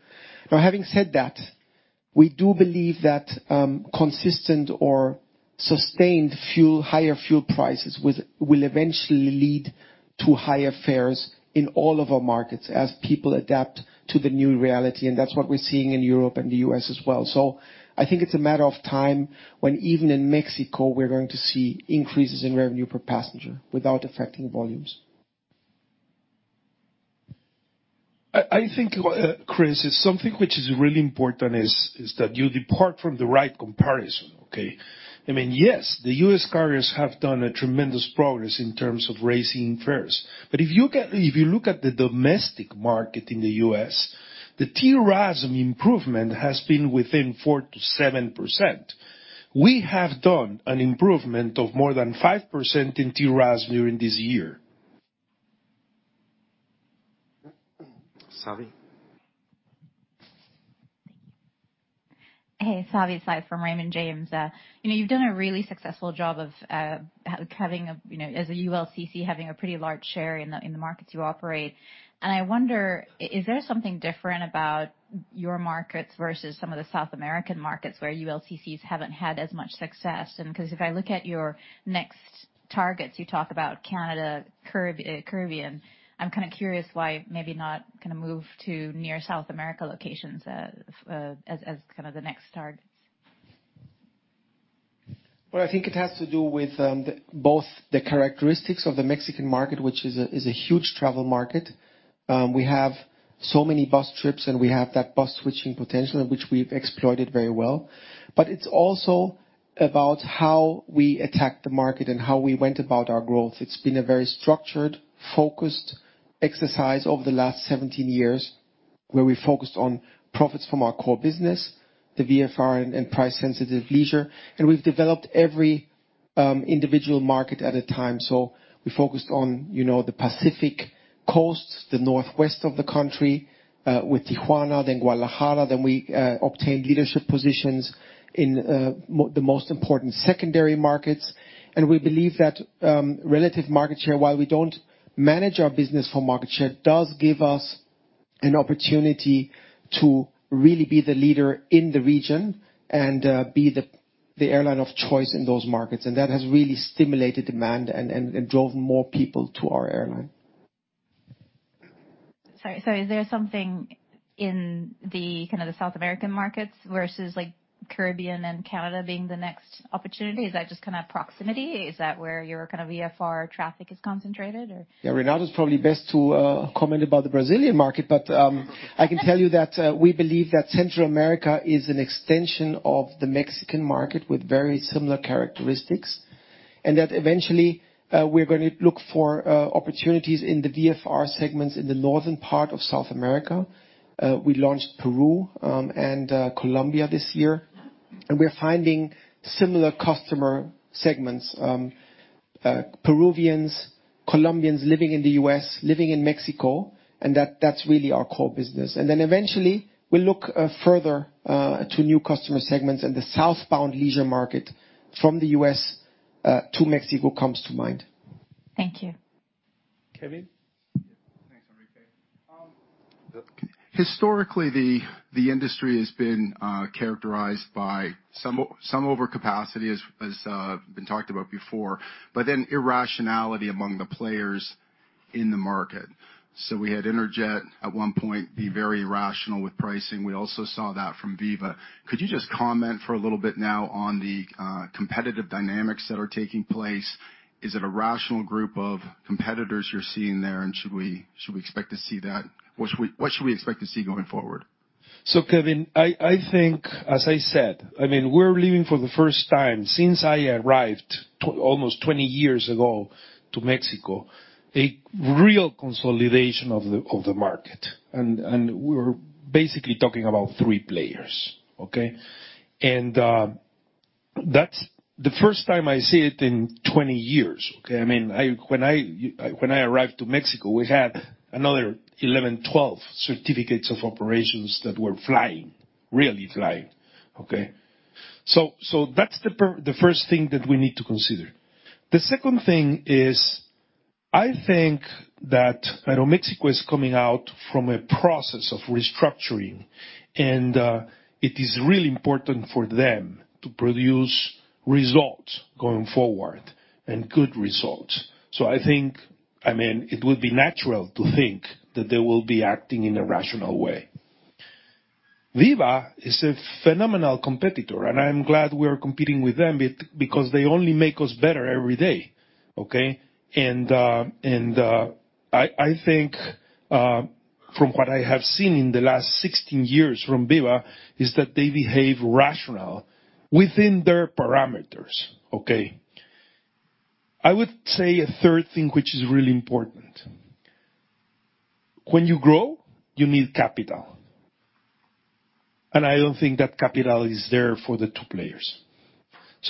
Now, having said that, we do believe that consistent or sustained fuel, higher fuel prices will eventually lead to higher fares in all of our markets as people adapt to the new reality. That's what we're seeing in Europe and the U.S. as well. I think it's a matter of time when even in Mexico, we're going to see increases in revenue per passenger without affecting volumes. I think, Chris, it's something which is really important is that you depart from the right comparison, okay? I mean, yes, the U.S. carriers have done a tremendous progress in terms of raising fares. If you look at the domestic market in the U.S., the TRASM improvement has been within 4%-7%. We have done an improvement of more than 5% in TRASM during this year. Savi? Thank you. Hey, Savanthi Syth from Raymond James. You know, you've done a really successful job of having, you know, as a ULCC, having a pretty large share in the, in the markets you operate. I wonder is there something different about your markets versus some of the South American markets where ULCCs haven't had as much success? Because if I look at your next targets, you talk about Canada, Caribbean. I'm kinda curious why maybe not kinda move to near South America locations, as kind of the next targets. I think it has to do with both the characteristics of the Mexican market, which is a huge travel market. We have so many bus trips, we have that bus switching potential, which we've exploited very well. It's also about how we attack the market and how we went about our growth. It's been a very structured, focused exercise over the last 17 years, where we focused on profits from our core business, the VFR and price-sensitive leisure, and we've developed every individual market at a time. We focused on, you know, the Pacific Coast, the northwest of the country with Tijuana, Guadalajara, we obtained leadership positions in the most important secondary markets. We believe that relative market share, while we don't manage our business for market share, does give us an opportunity to really be the leader in the region and be the airline of choice in those markets. That has really stimulated demand and drove more people to our airline. Sorry. Is there something in the kind of the South American markets versus like Caribbean and Canada being the next opportunity? Is that just kinda proximity? Is that where your kind of VFR traffic is concentrated or? Yeah, Renato is probably best to comment about the Brazilian market. I can tell you that we believe that Central America is an extension of the Mexican market with very similar characteristics, and that eventually, we're gonna look for opportunities in the VFR segments in the northern part of South America. We launched Peru, and Colombia this year. We're finding similar customer segments, Peruvians, Colombians living in the U.S., living in Mexico, and that's really our core business. Eventually, we'll look further to new customer segments, and the southbound leisure market from the U.S. to Mexico comes to mind. Thank you. Kevin? Yeah. Thanks, Enrique. Historically, the industry has been characterized by some overcapacity, as been talked about before, irrationality among the players in the market. We had Interjet at one point be very rational with pricing. We also saw that from Viva. Could you just comment for a little bit now on the competitive dynamics that are taking place? Is it a rational group of competitors you're seeing there? Should we expect to see that? What should we expect to see going forward? Kevin, I think, as I said, I mean, we're leaving for the first time since I arrived almost 20 years ago to Mexico, a real consolidation of the market. We're basically talking about 3 players, okay? That's the first time I see it in 20 years, okay? I mean, when I arrived to Mexico, we had another 11, 12 certificates of operations that were flying, really flying, okay? That's the first thing that we need to consider. The second thing is, I think that Aeroméxico is coming out from a process of restructuring, and it is really important for them to produce results going forward, and good results. I think, I mean, it would be natural to think that they will be acting in a rational way. Viva is a phenomenal competitor, I'm glad we are competing with them because they only make us better every day, okay? I think from what I have seen in the last 16 years from Viva, is that they behave rational within their parameters, okay? I would say a third thing, which is really important. When you grow, you need capital. I don't think that capital is there for the two players.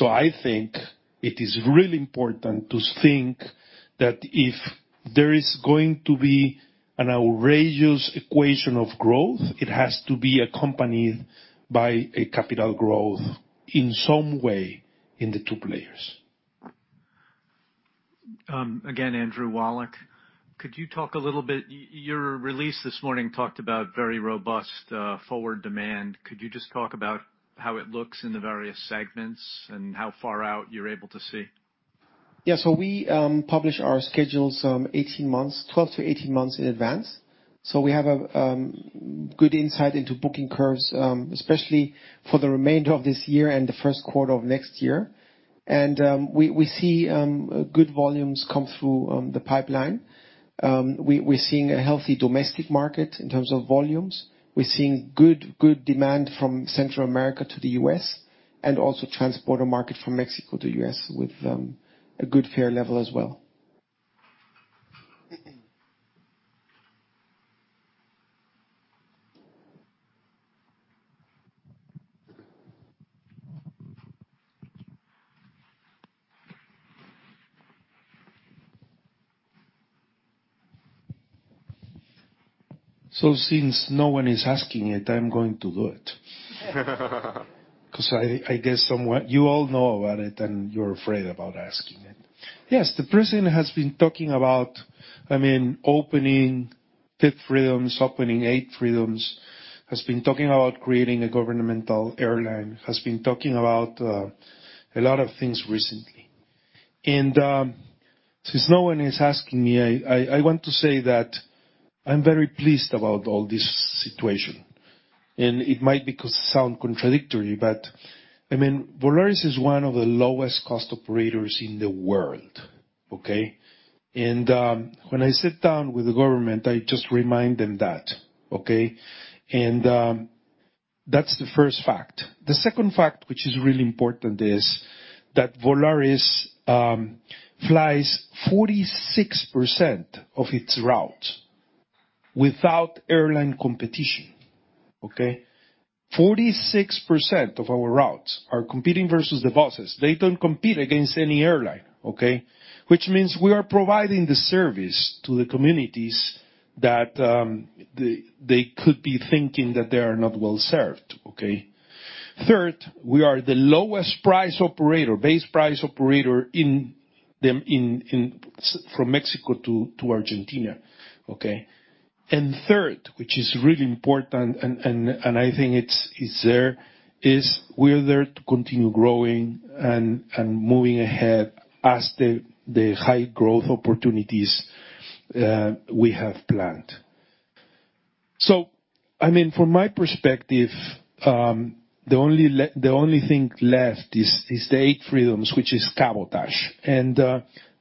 I think it is really important to think that if there is going to be an outrageous equation of growth, it has to be accompanied by a capital growth in some way in the two players. Again, Andrew Wallach. Could you talk a little bit, your release this morning talked about very robust, forward demand. Could you just talk about how it looks in the various segments and how far out you're able to see? Yeah. We publish our schedules, 18 months, 12-18 months in advance. We have a good insight into booking curves, especially for the remainder of this year and the first quarter of next year. We see good volumes come through the pipeline. We're seeing a healthy domestic market in terms of volumes. We're seeing good demand from Central America to the U.S., and also transporter market from Mexico to U.S. with a good fare level as well. Since no one is asking it, I'm going to do it. 'Cause I guess somewhat you all know about it, and you're afraid about asking it. Yes, the president has been talking about, I mean, opening Fifth Freedoms, opening 8 Freedoms, has been talking about creating a governmental airline, has been talking about a lot of things recently. Since no one is asking me, I want to say that I'm very pleased about all this situation, and it might sound contradictory, but I mean, Volaris is one of the lowest cost operators in the world, okay? When I sit down with the government, I just remind them that, okay? That's the first fact. The second fact, which is really important, is that Volaris flies 46% of its routes without airline competition, okay? 46% of our routes are competing versus the buses. They don't compete against any airline, okay? Which means we are providing the service to the communities that they could be thinking that they are not well-served, okay? Third, we are the lowest price operator, base price operator in the, from Mexico to Argentina, okay? Third, which is really important, and I think it's there, is we're there to continue growing and moving ahead as the high growth opportunities we have planned. I mean, from my perspective, the only thing left is the Eighth Freedom, which is cabotage.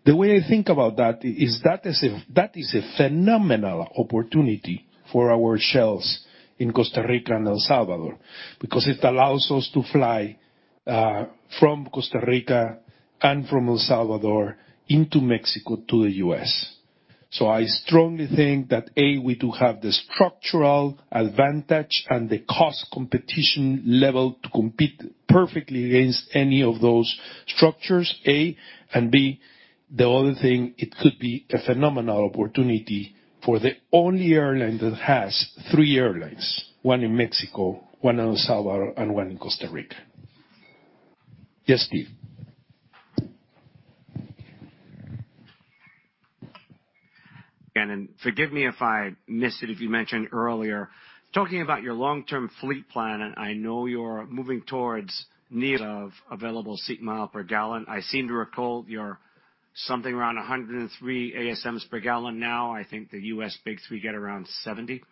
The way I think about that is that is a phenomenal opportunity for our shelves in Costa Rica and El Salvador, because it allows us to fly from Costa Rica and from El Salvador into Mexico to the U.S. I strongly think that, A, we do have the structural advantage and the cost competition level to compete perfectly against any of those structures, A. B, the other thing, it could be a phenomenal opportunity for the only airline that has three airlines, one in Mexico, one in El Salvador, and one in Costa Rica. Yes, Steve. Forgive me if I missed it, if you mentioned earlier. Talking about your long-term fleet plan, and I know you're moving towards need of available seat mile per gallon. I seem to recall you're something around 103 ASMs per gallon now. I think the U.S. big three get around 70.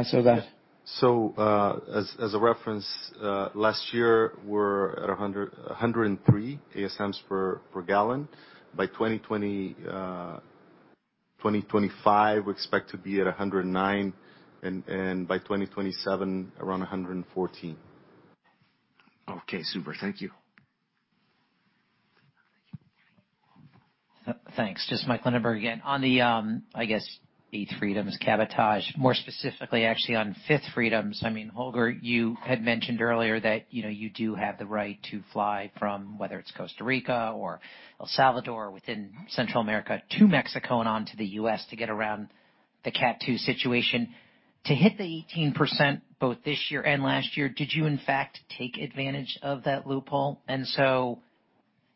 As a reference, last year we're at 103 ASMs per gallon. By 2025, we expect to be at 109, and by 2027, around 114. Okay, super. Thank you. Thanks. Just Michael Linenberg again. On the, I guess Eighth Freedom, cabotage, more specifically actually on Fifth Freedom, I mean, Holger, you had mentioned earlier that, you know, you do have the right to fly from whether it's Costa Rica or El Salvador within Central America to Mexico and on to the US to get around the CAT II situation. To hit the 18% both this year and last year, did you in fact take advantage of that loophole?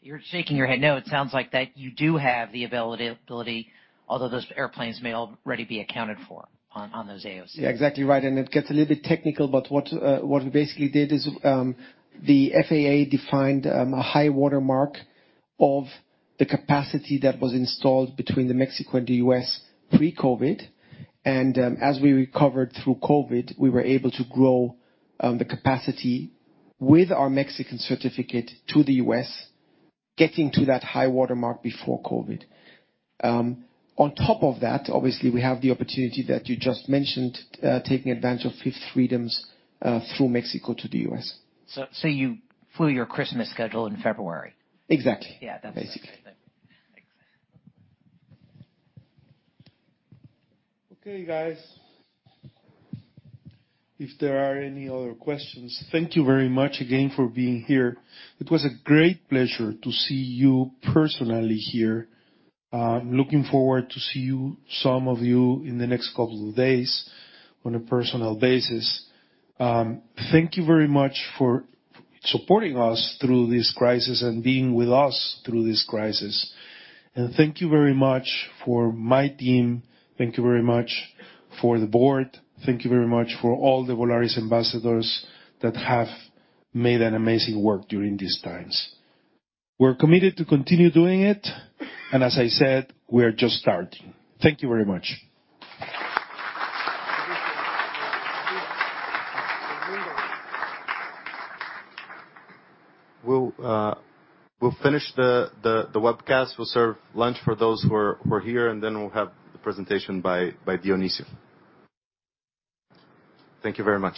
You're shaking your head no. It sounds like that you do have the availability, although those airplanes may already be accounted for on those AOC. Yeah, exactly right. It gets a little bit technical, but what we basically did is, the FAA defined a high water mark of the capacity that was installed between Mexico and the U.S. pre-COVID. As we recovered through COVID, we were able to grow the capacity with our Mexican certificate to the U.S., getting to that high water mark before COVID. On top of that, obviously we have the opportunity that you just mentioned, taking advantage of Fifth Freedom through Mexico to the U.S. you flew your Christmas schedule in February? Exactly. Yeah, that's Basically. Okay, guys. If there are any other questions. Thank you very much again for being here. It was a great pleasure to see you personally here. Looking forward to see you, some of you, in the next couple of days on a personal basis. Thank you very much for supporting us through this crisis and being with us through this crisis. Thank you very much for my team, thank you very much for the board, thank you very much for all the Volaris ambassadors that have made an amazing work during these times. We're committed to continue doing it, and as I said, we are just starting. Thank you very much. We'll finish the webcast. We'll serve lunch for those who are here, then we'll have the presentation by Dionisio. Thank you very much.